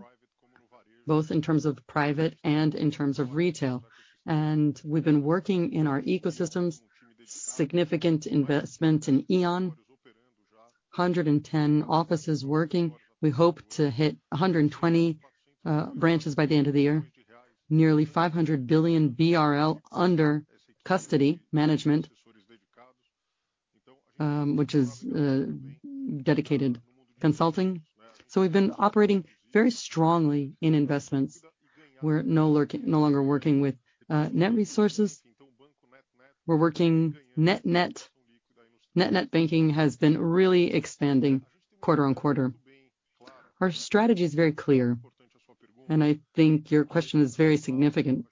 both in terms of private and in terms of retail. We've been working in our ecosystems, significant investment in íon, 110 offices working. We hope to hit 120 branches by the end of the year. Nearly 500 billion BRL under custody management, which is dedicated consulting. We've been operating very strongly in investments. We're no longer working with net resources. We're working net-net. Net-net banking has been really expanding quarter-over-quarter. Our strategy is very clear, and I think your question is very significant.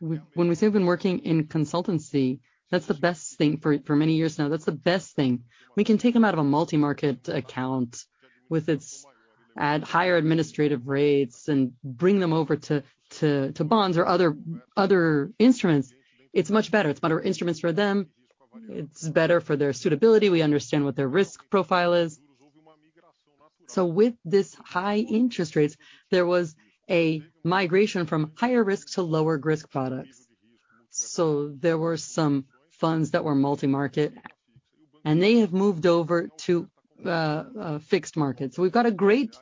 When we say we've been working in consultancy, that's the best thing for many years now. That's the best thing. We can take them out of a multi-market account at higher administrative rates and bring them over to bonds or other instruments. It's much better. It's better instruments for them, it's better for their suitability. We understand what their risk profile is. With this high interest rates, there was a migration from higher risk to lower risk products. There were some funds that were multi-market, and they have moved over to fixed markets. We've got LCI,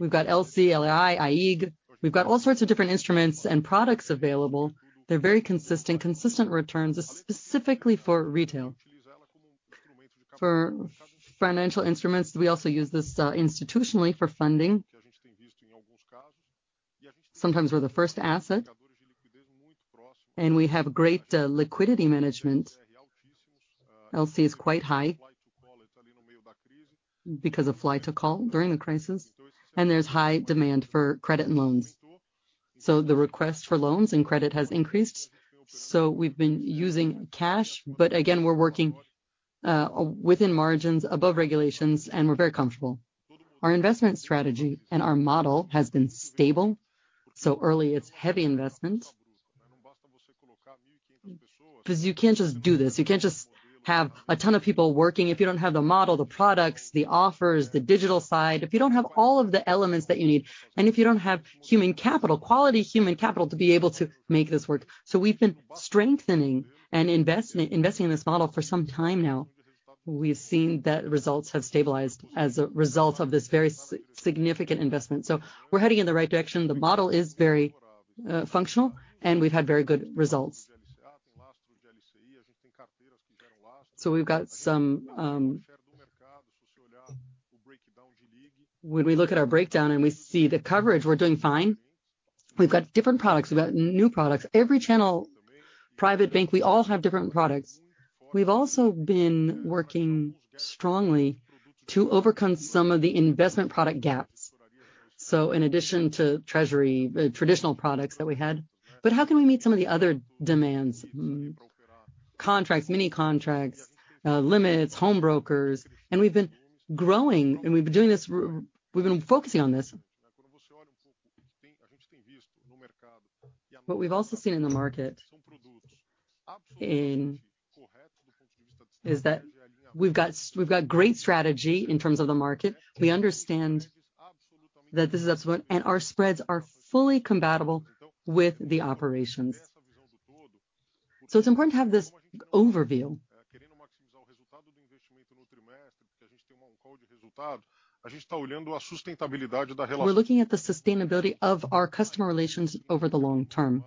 LCA, CDB. We've got all sorts of different instruments and products available. They're very consistent returns, specifically for retail. For financial instruments, we also use this institutionally for funding. Sometimes we're the first asset, and we have great liquidity management. LCR is quite high because of flight to quality during the crisis, and there's high demand for credit and loans. The request for loans and credit has increased. We've been using cash, but again, we're working within margins, above regulations, and we're very comfortable. Our investment strategy and our model has been stable, so early it's heavy investments. 'Cause you can't just do this. You can't just have a ton of people working if you don't have the model, the products, the offers, the digital side, if you don't have all of the elements that you need, and if you don't have human capital, quality human capital to be able to make this work. We've been strengthening and investing in this model for some time now. We've seen that results have stabilized as a result of this very significant investment. We're heading in the right direction. The model is very functional, and we've had very good results. We've got some. When we look at our breakdown and we see the coverage, we're doing fine. We've got different products. We've got new products. Every channel, private bank, we all have different products. We've also been working strongly to overcome some of the investment product gaps. In addition to treasury traditional products that we had, but how can we meet some of the other demands? Contracts, mini contracts, limits, home brokers, and we've been growing, and we've been doing this, we've been focusing on this. What we've also seen in the market is that we've got great strategy in terms of the market. We understand that this is absolutely. Our spreads are fully compatible with the operations. It's important to have this overview. We're looking at the sustainability of our customer relations over the long term.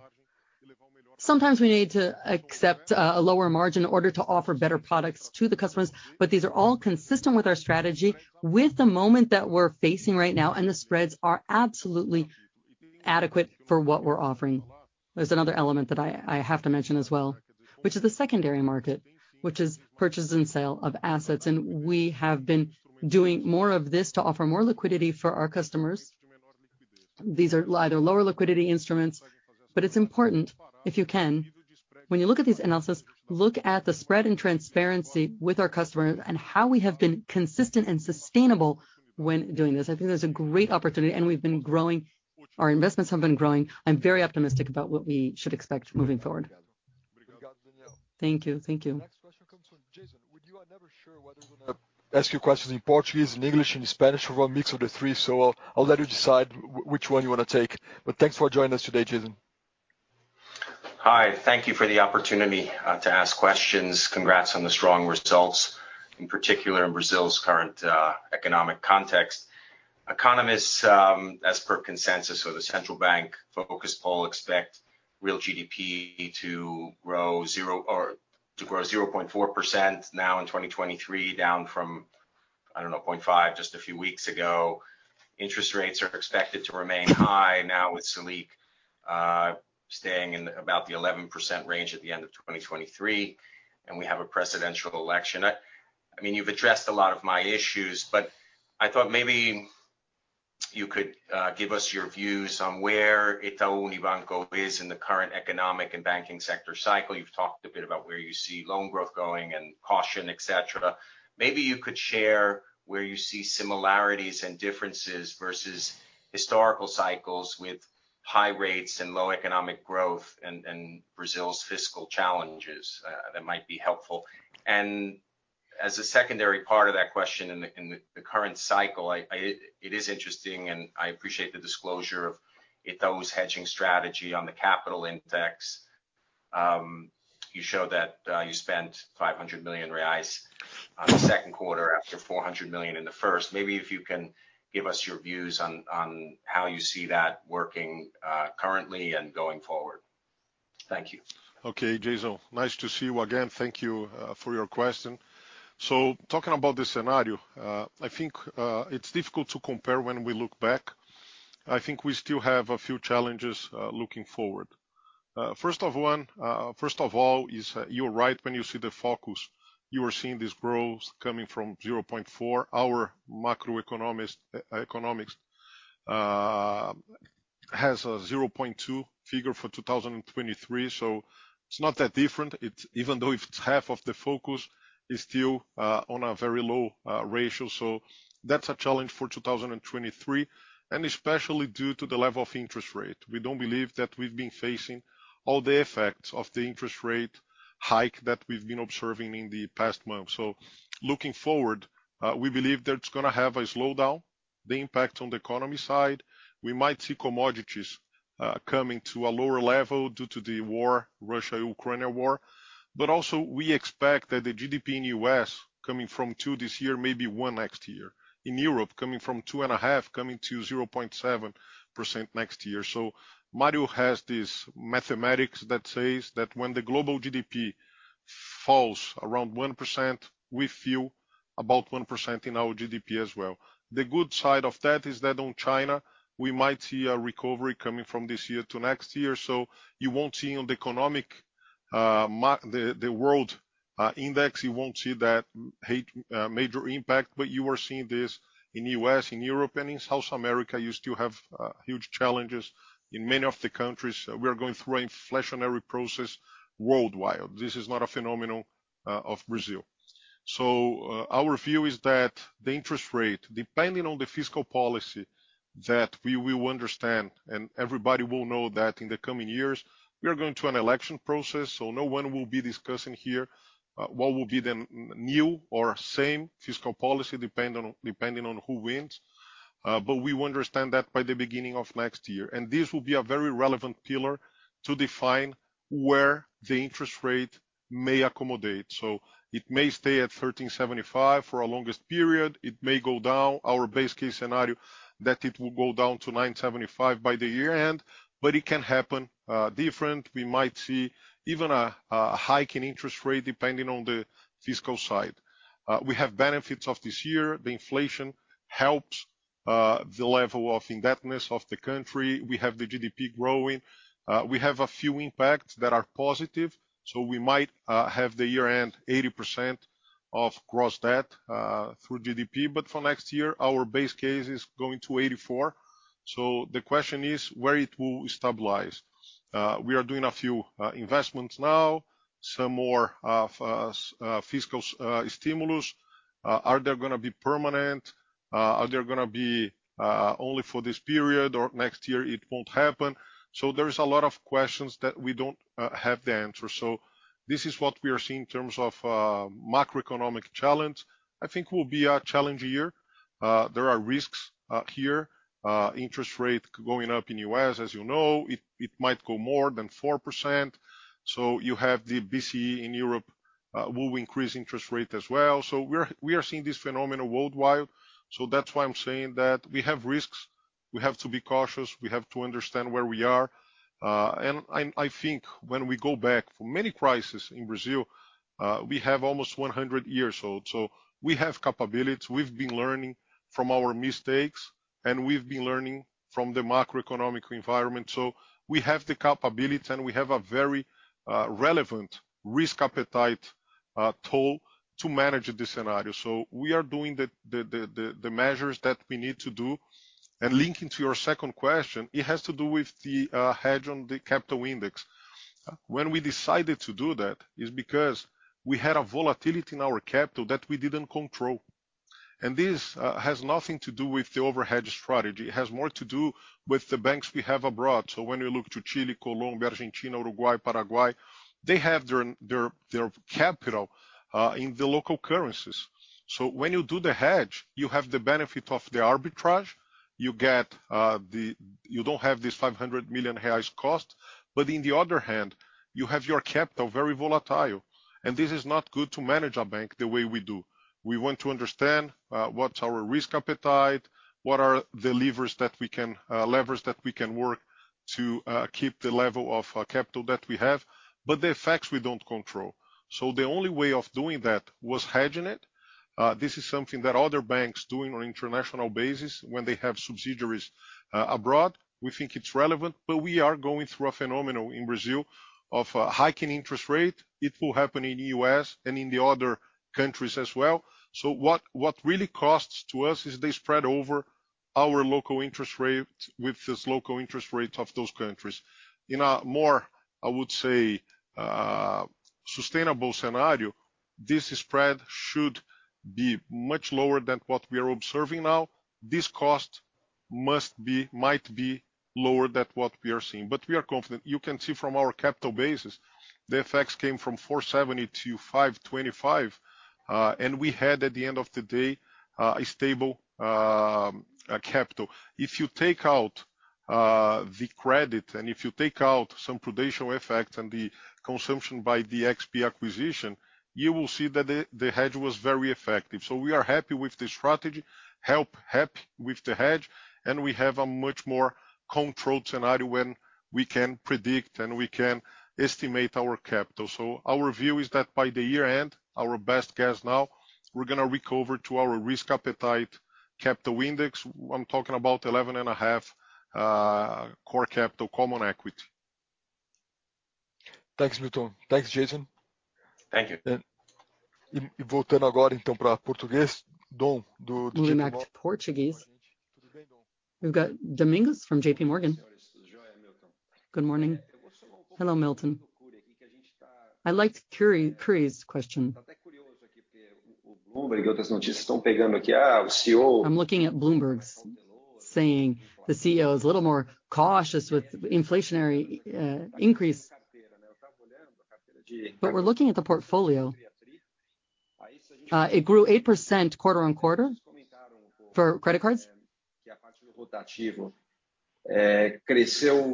Sometimes we need to accept a lower margin in order to offer better products to the customers, but these are all consistent with our strategy, with the moment that we're facing right now, and the spreads are absolutely adequate for what we're offering. There's another element that I have to mention as well, which is the secondary market, which is purchase and sale of assets. We have been doing more of this to offer more liquidity for our customers. These are either lower liquidity instruments. It's important, if you can, when you look at these analysis, look at the spread and transparency with our customer and how we have been consistent and sustainable when doing this. I think there's a great opportunity, and we've been growing, our investments have been growing. I'm very optimistic about what we should expect moving forward. Thank you. Thank you. The next question comes from Jason. We are never sure whether you're gonna ask you questions in Portuguese, in English, in Spanish, or a mix of the three, so I'll let you decide which one you wanna take. Thanks for joining us today, Jason. Hi. Thank you for the opportunity to ask questions. Congrats on the strong results, in particular in Brazil's current economic context. Economists, as per consensus of the central bank focus poll, expect real GDP to grow 0% or to grow 0.4% now in 2023, down from, I don't know, 0.5% just a few weeks ago. Interest rates are expected to remain high now with Selic staying in about the 11% range at the end of 2023, and we have a presidential election. I mean, you've addressed a lot of my issues, but I thought maybe you could give us your views on where Itaú Unibanco is in the current economic and banking sector cycle. You've talked a bit about where you see loan growth going and caution, et cetera. Maybe you could share where you see similarities and differences versus historical cycles with high rates and low economic growth and Brazil's fiscal challenges that might be helpful. As a secondary part of that question, in the current cycle, it is interesting and I appreciate the disclosure of Itaú's hedging strategy on the capital index. You showed that you spent 500 million reais in the second quarter after 400 million in the first. Maybe if you can give us your views on how you see that working currently and going forward. Thank you. Okay, Jason, nice to see you again. Thank you for your question. Talking about this scenario, I think it's difficult to compare when we look back. I think we still have a few challenges looking forward. First of all, you're right when you see the forecast. You are seeing this growth coming from 0.4%. Our macroeconomist has a 0.2% figure for 2023, so it's not that different. It's even though it's half of the forecast, it's still on a very low ratio. That's a challenge for 2023, and especially due to the level of interest rate. We don't believe that we've been facing all the effects of the interest rate hike that we've been observing in the past months. Looking forward, we believe that it's gonna have a slowdown, the impact on the economy side. We might see commodities coming to a lower level due to the Russia-Ukraine war. We also expect that the GDP in U.S. coming from 2% this year, maybe 1% next year. In Europe, coming from 2.5%, coming to 0.7% next year. Mario has this mathematics that says that when the global GDP falls around 1%, we feel about 1% in our GDP as well. The good side of that is that in China, we might see a recovery coming from this year to next year. You won't see on the economic world index that major impact, but you are seeing this in U.S., in Europe, and in South America. You still have huge challenges in many of the countries. We are going through inflationary process worldwide. This is not a phenomenon of Brazil. Our view is that the interest rate, depending on the fiscal policy that we will understand, and everybody will know that in the coming years, we are going to an election process, so no one will be discussing here what will be the new or same fiscal policy depending on who wins. We will understand that by the beginning of next year. This will be a very relevant pillar to define where the interest rate may accommodate. It may stay at 13.75% for a longest period. It may go down. Our base case scenario that it will go down to 9.75% by the year-end, but it can happen different. We might see even a hike in interest rate depending on the fiscal side. We have benefits of this year. The inflation helps, the level of indebtedness of the country. We have the GDP growing. We have a few impacts that are positive, so we might have the year-end 80% of gross debt through GDP. For next year, our base case is going to 84%. The question is, where it will stabilize? We are doing a few investments now, some more of fiscal stimulus. Are they gonna be permanent? Are they gonna be only for this period or next year it won't happen? There is a lot of questions that we don't have the answer. This is what we are seeing in terms of macroeconomic challenge. I think it will be a challenge year. There are risks here. Interest rate going up in U.S., as you know, it might go more than 4%. You have the ECB in Europe will increase interest rate as well. We are seeing this phenomenon worldwide. That's why I'm saying that we have risks. We have to be cautious. We have to understand where we are. I think when we go back to many crises in Brazil, we have almost 100 years old, so we have capabilities. We've been learning from our mistakes, and we've been learning from the macroeconomic environment. We have the capability, and we have a very relevant risk appetite tool to manage this scenario. We are doing the measures that we need to do. Linking to your second question, it has to do with the hedge on the capital index. When we decided to do that, is because we had a volatility in our capital that we didn't control. This has nothing to do with the overhedge strategy. It has more to do with the banks we have abroad. When you look to Chile, Colombia, Argentina, Uruguay, Paraguay, they have their capital in the local currencies. When you do the hedge, you have the benefit of the arbitrage. You get the. You don't have this 500 million reais cost, but on the other hand, you have your capital very volatile, and this is not good to manage a bank the way we do. We want to understand what's our risk appetite, what are the levers that we can work to keep the level of capital that we have, but the effects we don't control. The only way of doing that was hedging it. This is something that other banks doing on international basis when they have subsidiaries abroad. We think it's relevant, but we are going through a phenomenon in Brazil of hiking interest rate. It will happen in the U.S. and in the other countries as well. What really costs to us is the spread over our local interest rate with this local interest rate of those countries. In a more, I would say, sustainable scenario, this spread should be much lower than what we are observing now. This cost might be lower than what we are seeing, but we are confident. You can see from our capital basis, the effects came from 470-525, and we had, at the end of the day, a stable capital. If you take out the credit and if you take out some prudential effects and the consumption by the XP acquisition, you will see that the hedge was very effective. We are happy with the strategy, happy with the hedge, and we have a much more controlled scenario when we can predict and we can estimate our capital. Our view is that by the year end, our best guess now, we're gonna recover to our risk appetite capital index. I'm talking about 11.5 core capital common equity. Thanks, Milton Thanks, Jason. Moving back to Portuguese. We've got Domingos from JPMorgan. Good morning. Hello, Milton. I liked Jorge Kuri's question. I'm looking at Bloomberg is saying the CEO is a little more cautious with inflationary increase. We're looking at the portfolio. It grew 8% quarter-on-quarter for credit cards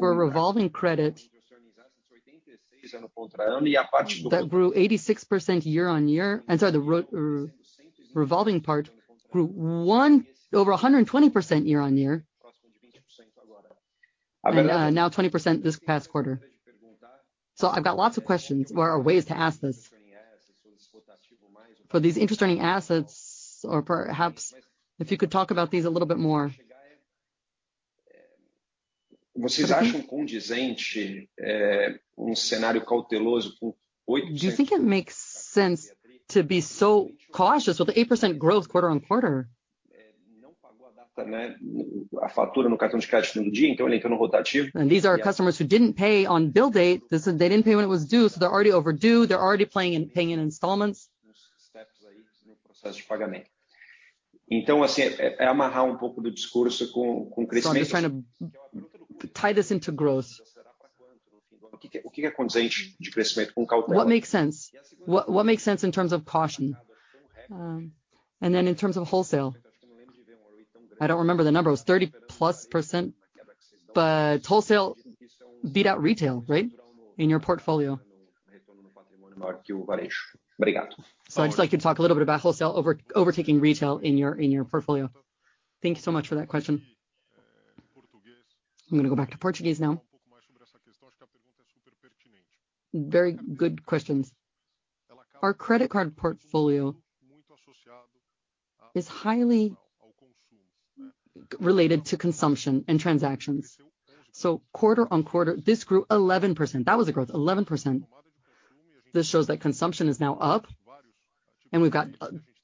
for revolving credit that grew 86% year-on-year. I'm sorry, the revolving part grew over 120% year-on-year. Now 20% this past quarter. I've got lots of questions or ways to ask this for these interest-earning assets, or perhaps if you could talk about these a little bit more? Do you think it makes sense to be so cautious with the 8% growth quarter-on-quarter? These are customers who didn't pay on bill date. They didn't pay when it was due, so they're already overdue. They're already paying in installments. I'm just trying to tie this into growth. What makes sense? What makes sense in terms of caution? In terms of wholesale, I don't remember the number. It was 30%+, but wholesale beat out retail, right, in your portfolio? I'd just like you to talk a little bit about wholesale overtaking retail in your portfolio. Thank you so much for that question. I'm gonna go back to Portuguese now. Very good questions. Our credit card portfolio is highly related to consumption and transactions. Quarter-over-quarter, this grew 11%. That was a growth, 11%. This shows that consumption is now up, and we've got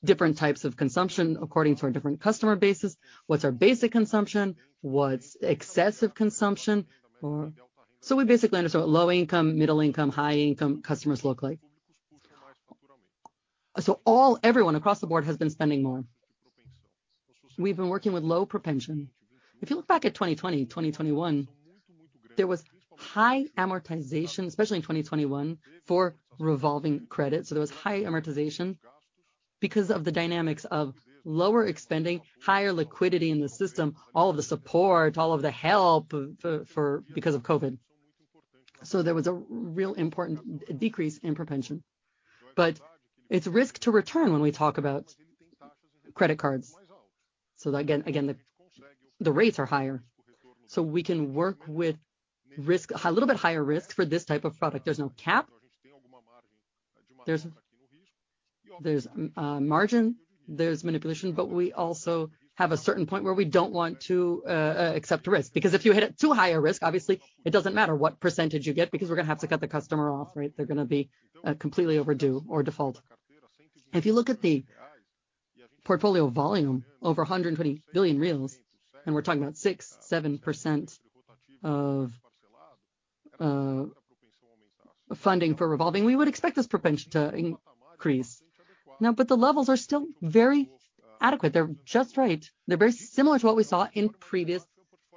different types of consumption according to our different customer bases. What's our basic consumption? What's excessive consumption? We basically understand what low income, middle income, high income customers look like. All, everyone across the board has been spending more. We've been working with low propensity. If you look back at 2020, 2021, there was high amortization, especially in 2021 for revolving credit. There was high amortization because of the dynamics of lower spending, higher liquidity in the system, all of the support, all of the help because of COVID. There was a real important decrease in propensity. But it's risk to return when we talk about credit cards. Again, the rates are higher. We can work with risk a little bit higher risk for this type of product. There's no cap. There's margin, there's manipulation, but we also have a certain point where we don't want to accept risk. Because if you hit it too high a risk, obviously it doesn't matter what percentage you get because we're gonna have to cut the customer off, right? They're gonna be completely overdue or default. If you look at the portfolio volume over 120 billion, and we're talking about 6%-7% of funding for revolving, we would expect this propensity to increase. Now, the levels are still very adequate. They're just right. They're very similar to what we saw in previous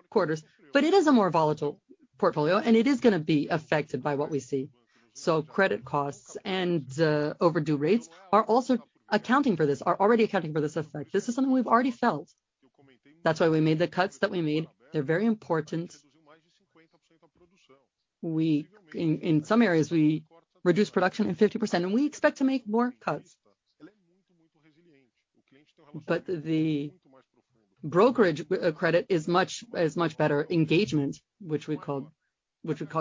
quarters. It is a more volatile portfolio, and it is gonna be affected by what we see. Credit costs and overdue rates are already accounting for this effect. This is something we've already felt. That's why we made the cuts that we made. They're very important. In some areas, we reduced production by 50%, and we expect to make more cuts. The brokerage credit is much better engagement, which we talked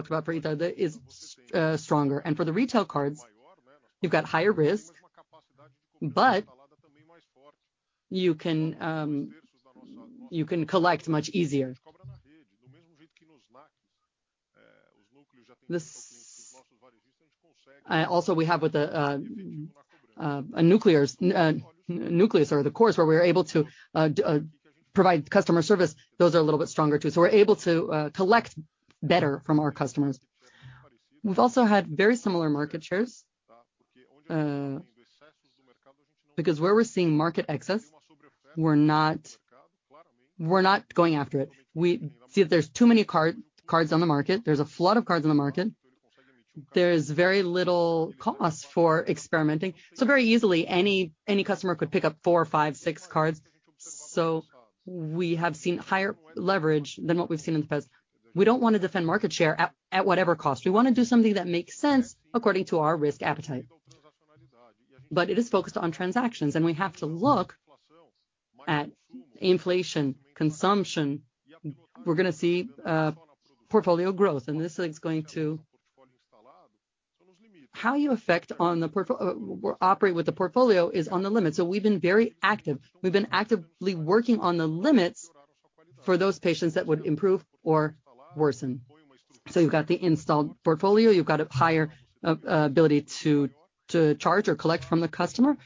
about for Itaú, is stronger. For the retail cards, you've got higher risk, but you can collect much easier. We also have, with the Uniclass or Personnalité, where we are able to provide customer service. Those are a little bit stronger, too. We're able to collect better from our customers. We've also had very similar market shares, because where we're seeing market excess, we're not going after it. We see that there's too many cards on the market. There's a flood of cards on the market. There's very little cost for experimenting. Very easily, any customer could pick up four, five, six cards. We have seen higher leverage than what we've seen in the past. We don't want to defend market share at whatever cost. We want to do something that makes sense according to our risk appetite. It is focused on transactions, and we have to look at inflation, consumption. We're gonna see portfolio growth, and this is going to affect the portfolio. Operation with the portfolio is on the limit. We've been very active. We've been actively working on the limits for those clients that would improve or worsen. You've got the installed portfolio, you've got a higher ability to charge or collect from the customer,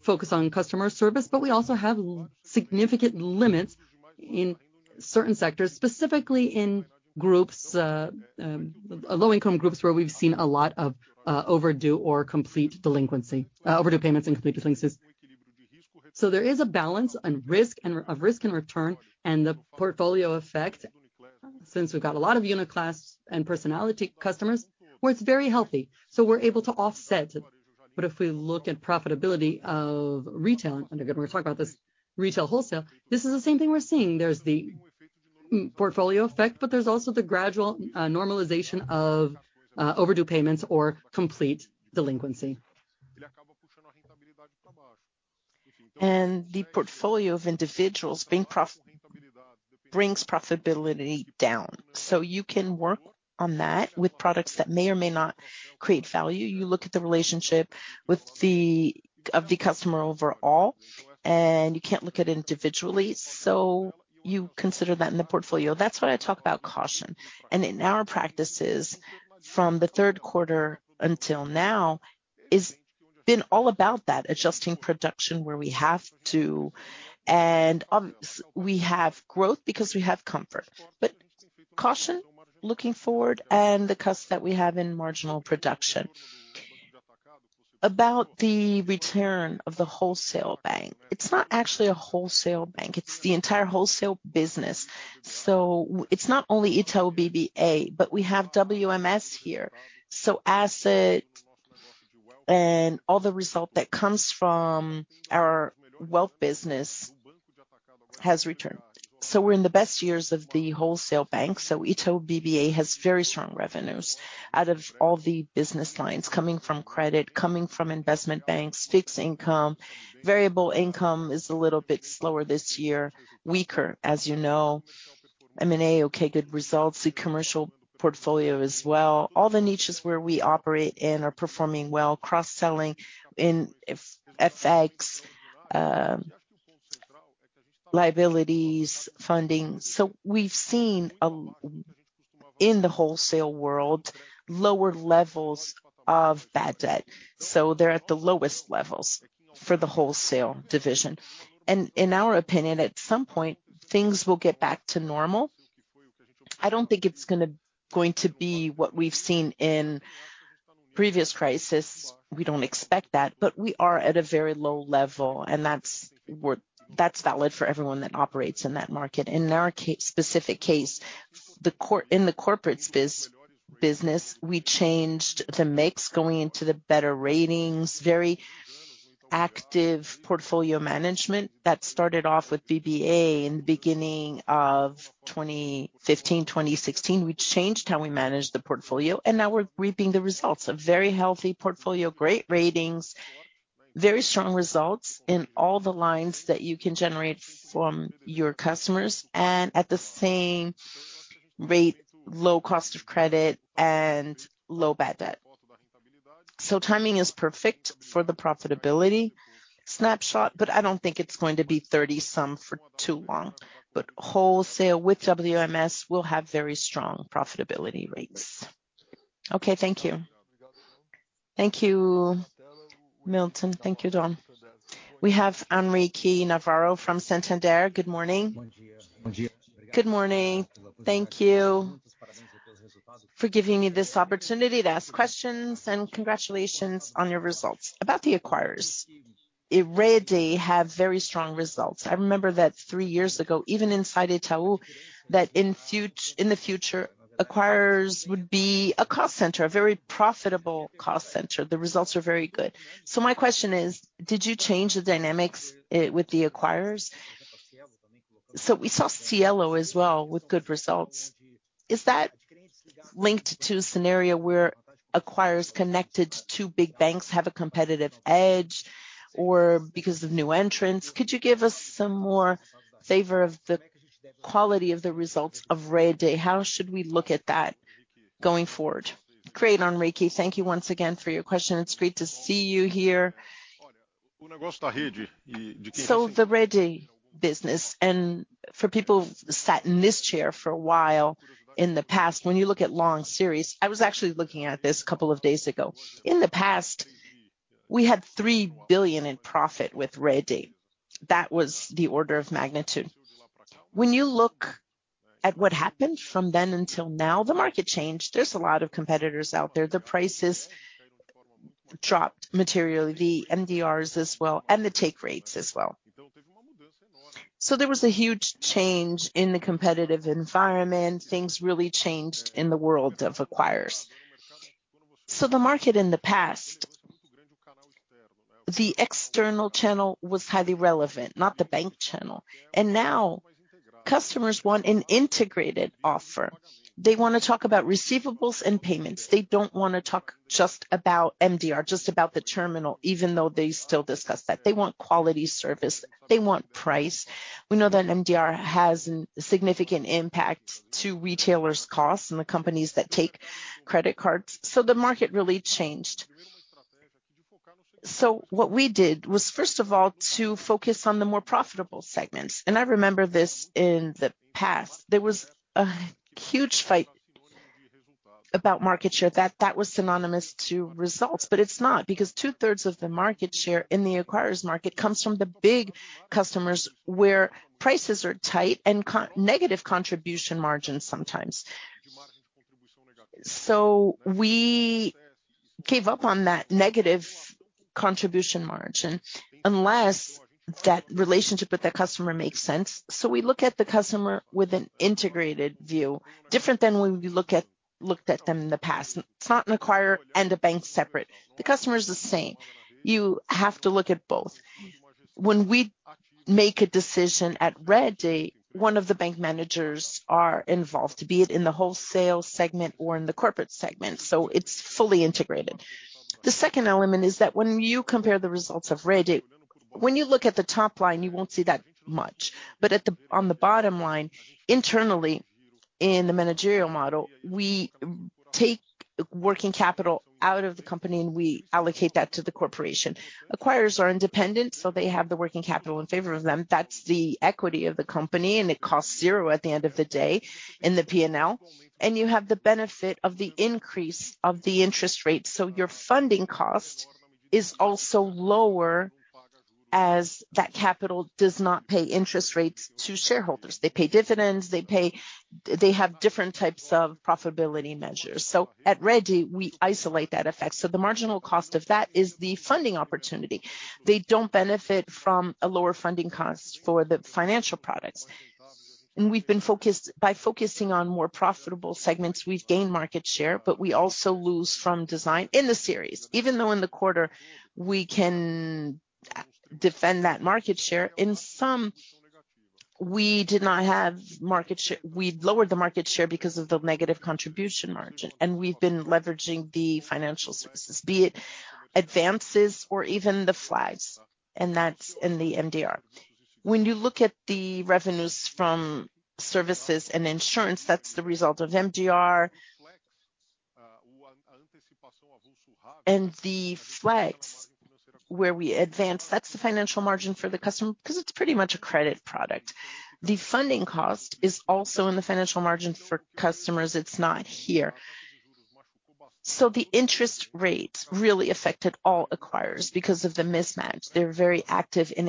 focus on customer service. We also have significant limits in certain sectors, specifically in groups, low-income groups where we've seen a lot of overdue or complete delinquency, overdue payments and complete delinquencies. There is a balance of risk and return and the portfolio effect since we've got a lot of Uniclass and Personnalité customers where it's very healthy, so we're able to offset. If we look at profitability of retail, and again, we're gonna talk about this retail, wholesale, this is the same thing we're seeing. There's the M-portfolio effect, but there's also the gradual normalization of overdue payments or complete delinquency. The portfolio of individuals being profitable brings profitability down. You can work on that with products that may or may not create value. You look at the relationship with the customer overall, and you can't look at it individually. You consider that in the portfolio. That's why I talk about caution. In our practices from the third quarter until now, it's been all about that, adjusting production where we have to. Obviously we have growth because we have comfort. Caution looking forward and the cost that we have in marginal production. About the return of the wholesale bank, it's not actually a wholesale bank, it's the entire wholesale business. It's not only Itaú BBA, but we have WMS here. Asset management and all the results that come from our wealth business has returned. We're in the best years of the wholesale bank. Itaú BBA has very strong revenues out of all the business lines coming from credit, coming from investment banks, fixed income. Variable income is a little bit slower this year, weaker, as you know. M&A, okay, good results. The commercial portfolio as well. All the niches where we operate in are performing well. Cross-selling in FX, liabilities, funding. We've seen in the wholesale world, lower levels of bad debt. They're at the lowest levels for the wholesale division. In our opinion, at some point things will get back to normal. I don't think it's going to be what we've seen in previous crisis. We don't expect that, but we are at a very low level, and that's valid for everyone that operates in that market. In our case, in the corporates business, we changed the mix going into the better ratings, very active portfolio management that started off with BBA in the beginning of 2015, 2016. We changed how we managed the portfolio, and now we're reaping the results. A very healthy portfolio, great ratings, very strong results in all the lines that you can generate from your customers and at the same time, low cost of credit and low bad debt. Timing is perfect for the profitability snapshot, but I don't think it's going to be thirty-something for too long. Wholesale with WMS will have very strong profitability rates. Okay, thank you. Thank you, Milton. Thank you, Dom. We have Henrique Navarro from Santander. Good morning. Good morning. Good morning. Thank you for giving me this opportunity to ask questions, and congratulations on your results. About the acquirers, Rede have very strong results. I remember that three years ago, even inside Itaú, that in the future, acquirers would be a cost center, a very profitable cost center. The results are very good. My question is, did you change the dynamics with the acquirers? We saw Cielo as well with good results. Is that linked to a scenario where acquirers connected to big banks have a competitive edge or because of new entrants? Could you give us some more flavor of the quality of the results of Rede? How should we look at that going forward? Great, Henrique. Thank you once again for your question. It's great to see you here. The Rede business, and for people sat in this chair for a while in the past, when you look at long series. I was actually looking at this a couple of days ago. In the past, we had 3 billion in profit with Rede. That was the order of magnitude. When you look at what happened from then until now, the market changed. There's a lot of competitors out there. The prices dropped materially, the MDRs as well, and the take rates as well. There was a huge change in the competitive environment. Things really changed in the world of acquirers. The market in the past, the external channel was highly relevant, not the bank channel. Now customers want an integrated offer. They wanna talk about receivables and payments. They don't wanna talk just about MDR, just about the terminal, even though they still discuss that. They want quality service. They want price. We know that MDR has significant impact to retailers' costs and the companies that take credit cards. The market really changed. What we did was, first of all, to focus on the more profitable segments, and I remember this in the past. There was a huge fight about market share, that was synonymous to results, but it's not. Because 2/3 of the market share in the acquirers market comes from the big customers where prices are tight and negative contribution margins sometimes. We gave up on that negative contribution margin unless that relationship with the customer makes sense. We look at the customer with an integrated view, different than when we looked at them in the past. It's not an acquirer and a bank separate. The customer is the same. You have to look at both. When we make a decision at Rede, one of the bank managers are involved, be it in the wholesale segment or in the corporate segment. It's fully integrated. The second element is that when you compare the results of Rede, when you look at the top line, you won't see that much. On the bottom line, internally in the managerial model, we take working capital out of the company, and we allocate that to the corporation. Acquirers are independent, so they have the working capital in favor of them. That's the equity of the company, and it costs zero at the end of the day in the P&L. You have the benefit of the increase of the interest rate. Your funding cost is also lower as that capital does not pay interest rates to shareholders. They pay dividends. They have different types of profitability measures. At Rede, we isolate that effect. The marginal cost of that is the funding opportunity. They don't benefit from a lower funding cost for the financial products. We've been focused. By focusing on more profitable segments, we've gained market share, but we also lose from downside in services. Even though in the quarter we can defend that market share, in some, we lost market share. We lost the market share because of the negative contribution margin, and we've been leveraging the financial services, be it advances or even the flags, and that's in the MDR. When you look at the revenues from services and insurance, that's the result of MDR. The flags where we advance, that's the financial margin for the customer because it's pretty much a credit product. The funding cost is also in the financial margin for customers. It's not here. The interest rates really affected all acquirers because of the mismatch. They're very active in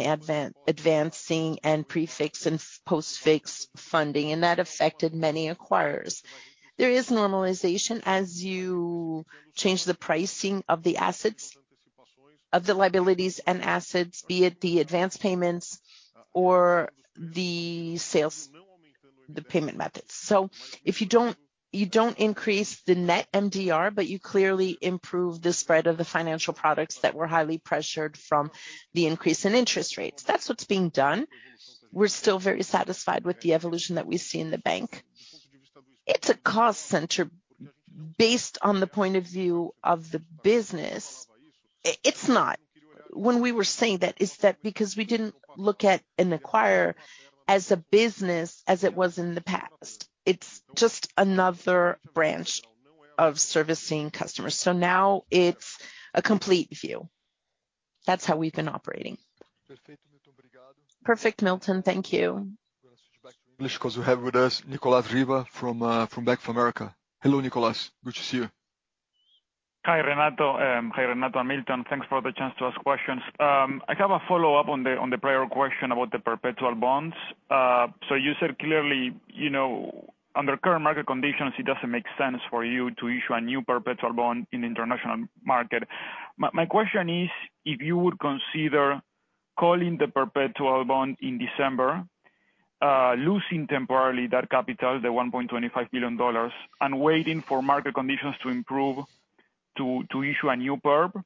advancing and prefix and postfix funding, and that affected many acquirers. There is normalization as you change the pricing of the assets, of the liabilities and assets, be it the advanced payments or the sales, the payment methods. If you don't increase the net MDR, but you clearly improve the spread of the financial products that were highly pressured from the increase in interest rates. That's what's being done. We're still very satisfied with the evolution that we see in the bank. It's a cost center based on the point of view of the business. It's not. When we were saying that, is that because we didn't look at an acquirer as a business as it was in the past? It's just another branch of servicing customers. Now it's a complete view. That's how we've been operating. Perfect, Milton. Thank you. English, 'cause we have with us Nicolas Riva from Bank of America. Hello, Nicolas. Good to see you. Hi, Renato. Hi, Renato and Milton. Thanks for the chance to ask questions. I have a follow-up on the prior question about the perpetual bonds. You said clearly, you know, under current market conditions, it doesn't make sense for you to issue a new perpetual bond in international market. My question is, if you would consider calling the perpetual bond in December, losing temporarily that capital, the $1.25 billion, and waiting for market conditions to improve to issue a new perp.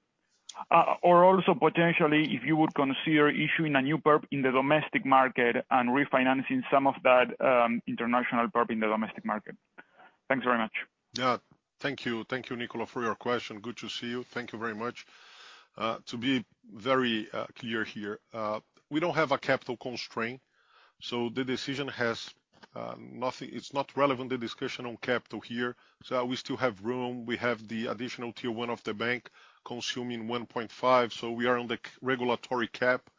Or also potentially, if you would consider issuing a new perp in the domestic market and refinancing some of that international perp in the domestic market. Thanks very much. Yeah. Thank you. Thank you, Nicolas, for your question. Good to see you. Thank you very much. To be very clear here, we don't have a capital constraint, so the decision has nothing. It's not relevant, the discussion on capital here. We still have room. We have the additional tier one of the bank consuming 1.5, so we are on the regulatory cap.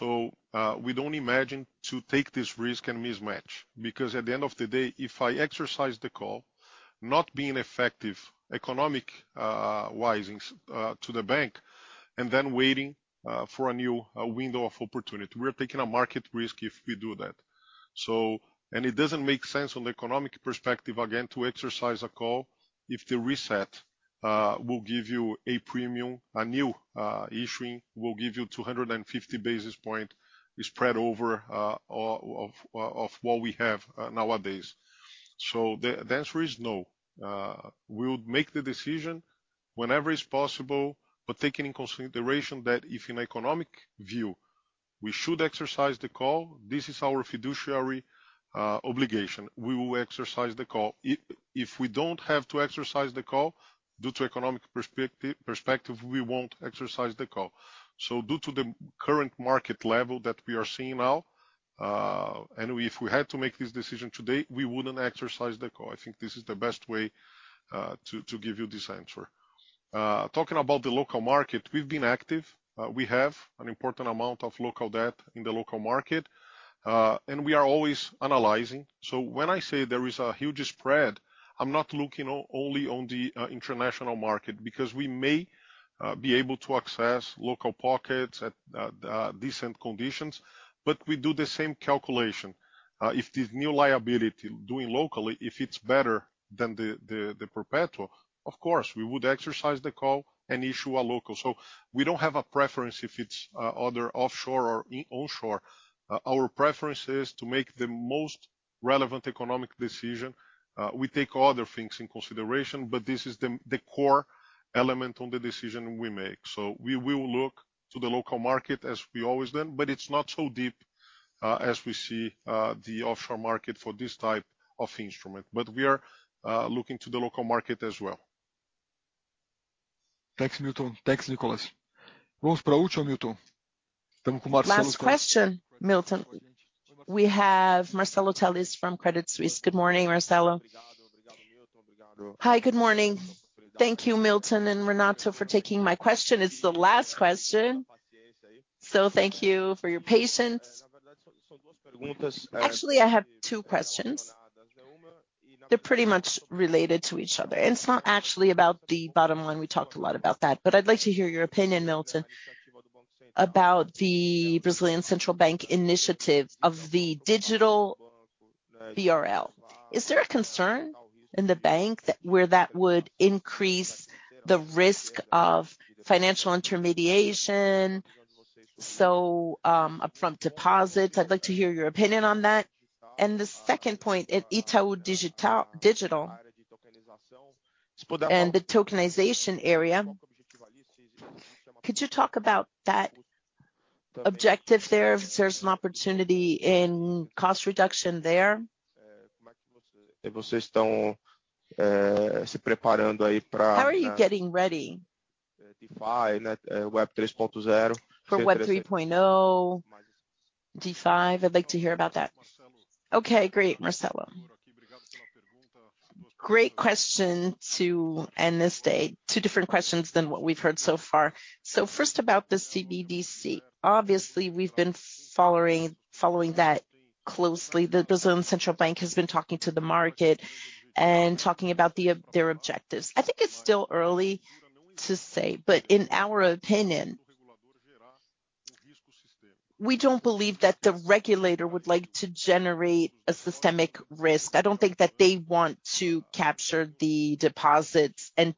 We don't imagine to take this risk and mismatch, because at the end of the day, if I exercise the call, not being effective economic-wise to the bank, and then waiting for a new window of opportunity, we're taking a market risk if we do that. It doesn't make sense from the economic perspective, again, to exercise a call if the reset will give you a premium. A new issuance will give you 250 basis point spread over what we have nowadays. The answer is no. We'll make the decision whenever is possible, but taking into consideration that if in economic view, we should exercise the call, this is our fiduciary obligation. We will exercise the call. If we don't have to exercise the call due to economic perspective, we won't exercise the call. Due to the current market level that we are seeing now, and if we had to make this decision today, we wouldn't exercise the call. I think this is the best way to give you this answer. Talking about the local market, we've been active. We have an important amount of local debt in the local market, and we are always analyzing. When I say there is a huge spread, I'm not looking only on the international market, because we may be able to access local pockets at decent conditions, but we do the same calculation. If this new liability doing locally if it's better than the perpetual, of course, we would exercise the call and issue a local. We don't have a preference if it's either offshore or onshore. Our preference is to make the most relevant economic decision. We take other things in consideration, but this is the core element on the decision we make. We will look to the local market as we always done, but it's not so deep as we see the offshore market for this type of instrument. We are looking to the local market as well. Last question, Milton. We have Marcelo Telles from Credit Suisse. Good morning, Marcelo. Hi, good morning. Thank you, Milton and Renato, for taking my question. It's the last question, so thank you for your patience. Actually, I have two questions. They're pretty much related to each other. It's not actually about the bottom line. We talked a lot about that. I'd like to hear your opinion, Milton, about the Central Bank initiative of the digital BRL. Is there a concern in the bank that where that would increase the risk of financial intermediation, so, upfront deposits? I'd like to hear your opinion on that. The second point, in Itaú Digital, and the tokenization area, could you talk about that objective there, if there's an opportunity in cost reduction there? How are you getting ready for Web 3.0, DeFi? I'd like to hear about that. Okay, great, Marcelo. Great question to end this day. Two different questions than what we've heard so far. First about the CBDC. Obviously, we've been following that closely. The Central Bank has been talking to the market and talking about their objectives. I think it's still early to say, but in our opinion, we don't believe that the regulator would like to generate a systemic risk. I don't think that they want to capture the deposits and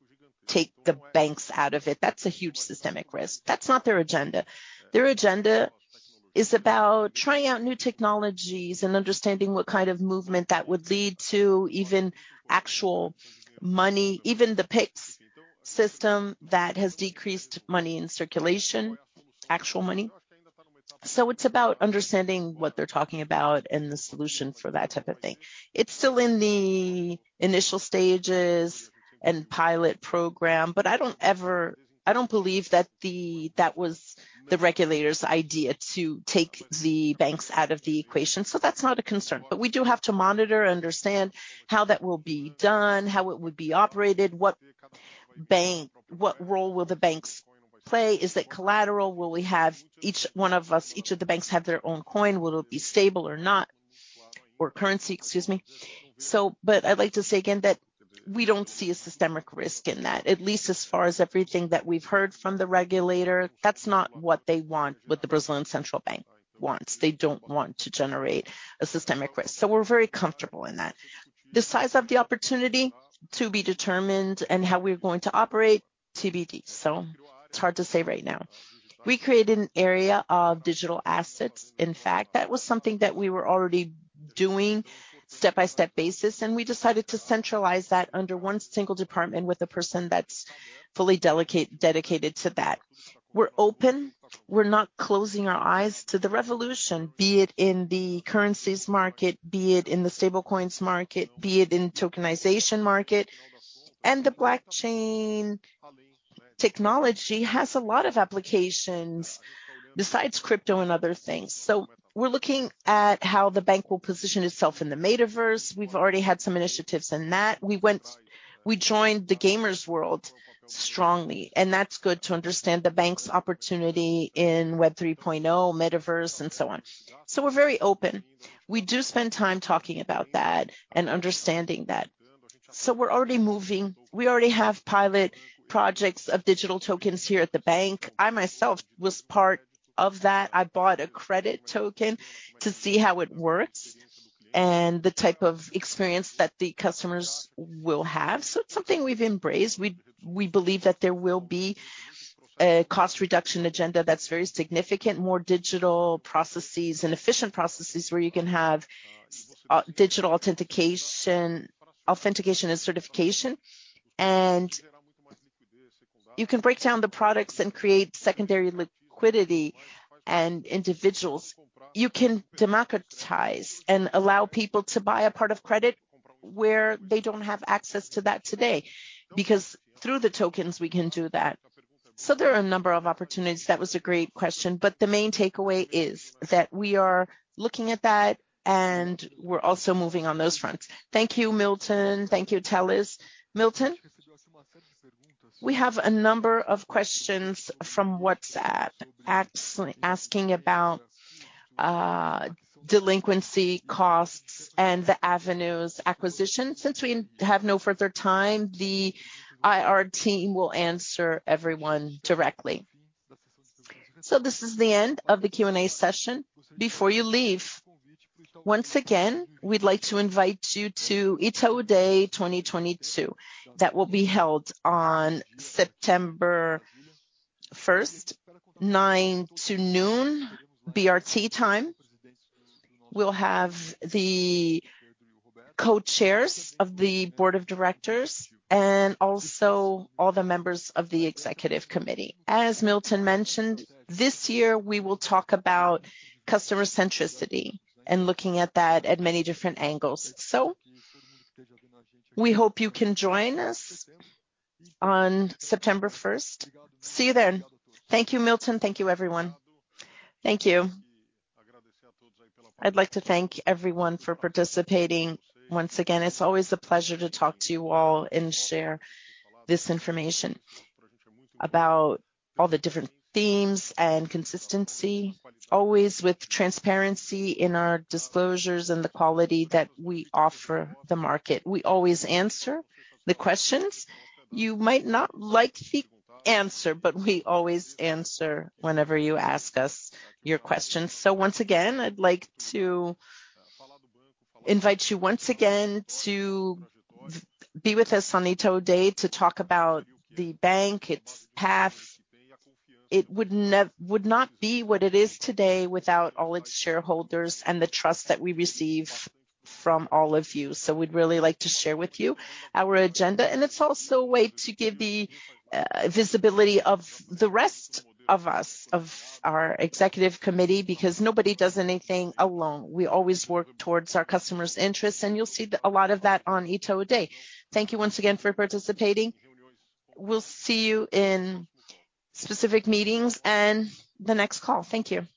take the banks out of it. That's a huge systemic risk. That's not their agenda. Their agenda is about trying out new technologies and understanding what kind of movement that would lead to even actual money, even the Pix system that has decreased money in circulation, actual money. It's about understanding what they're talking about and the solution for that type of thing. It's still in the initial stages and pilot program, but I don't believe that was the regulator's idea to take the banks out of the equation, so that's not a concern. We do have to monitor and understand how that will be done, how it would be operated, what role will the banks play. Is it collateral? Will we have each of the banks have their own coin? Will it be stable or not? Or currency, excuse me. But I'd like to say again that we don't see a systemic risk in that. At least as far as everything that we've heard from the regulator, that's not what they want, what the Central Bank wants. They don't want to generate a systemic risk. We're very comfortable in that. The size of the opportunity to be determined and how we're going to operate, TBD, so it's hard to say right now. We created an area of digital assets. In fact, that was something that we were already doing step-by-step basis, and we decided to centralize that under one single department with a person that's fully dedicated to that. We're open. We're not closing our eyes to the revolution, be it in the currencies market, be it in the stable coins market, be it in the tokenization market. The blockchain technology has a lot of applications besides crypto and other things. We're looking at how the bank will position itself in the metaverse. We've already had some initiatives in that. We joined the gamers world strongly, and that's good to understand the bank's opportunity in Web 3.0, Metaverse and so on. We're very open. We do spend time talking about that and understanding that. We're already moving. We already have pilot projects of digital tokens here at the bank. I myself was part of that. I bought a credit token to see how it works and the type of experience that the customers will have. It's something we've embraced. We believe that there will be a cost reduction agenda that's very significant, more digital processes and efficient processes where you can have digital authentication and certification. You can break down the products and create secondary liquidity and individuals. You can democratize and allow people to buy a part of credit where they don't have access to that today, because through the tokens we can do that. There are a number of opportunities. That was a great question. The main takeaway is that we are looking at that and we're also moving on those fronts. Thank you, Milton. Thank you, Telles. Milton, we have a number of questions from WhatsApp, asking about delinquency costs and the Avenue acquisition. Since we have no further time, the IR team will answer everyone directly. This is the end of the Q&A session. Before you leave, once again, we'd like to invite you to Itaú Day 2022. That will be held on September first, 9:00 A.M. to noon, BRT time. We'll have the co-chairs of the board of directors and also all the members of the executive committee. As Milton mentioned, this year we will talk about customer centricity and looking at that at many different angles. We hope you can join us on September 1st. See you then. Thank you, Milton. Thank you, everyone. Thank you. I'd like to thank everyone for participating once again. It's always a pleasure to talk to you all and share this information about all the different themes and consistency, always with transparency in our disclosures and the quality that we offer the market. We always answer the questions. You might not like the answer, but we always answer whenever you ask us your questions. So once again, I'd like to invite you once again to be with us on Itaú Day to talk about the bank, its path. It would not be what it is today without all its shareholders and the trust that we receive from all of you. So we'd really like to share with you our agenda. It's also a way to give the visibility of the rest of us, of our executive committee, because nobody does anything alone. We always work towards our customers' interests, and you'll see a lot of that on Itaú Day. Thank you once again for participating. We'll see you in specific meetings and the next call. Thank you.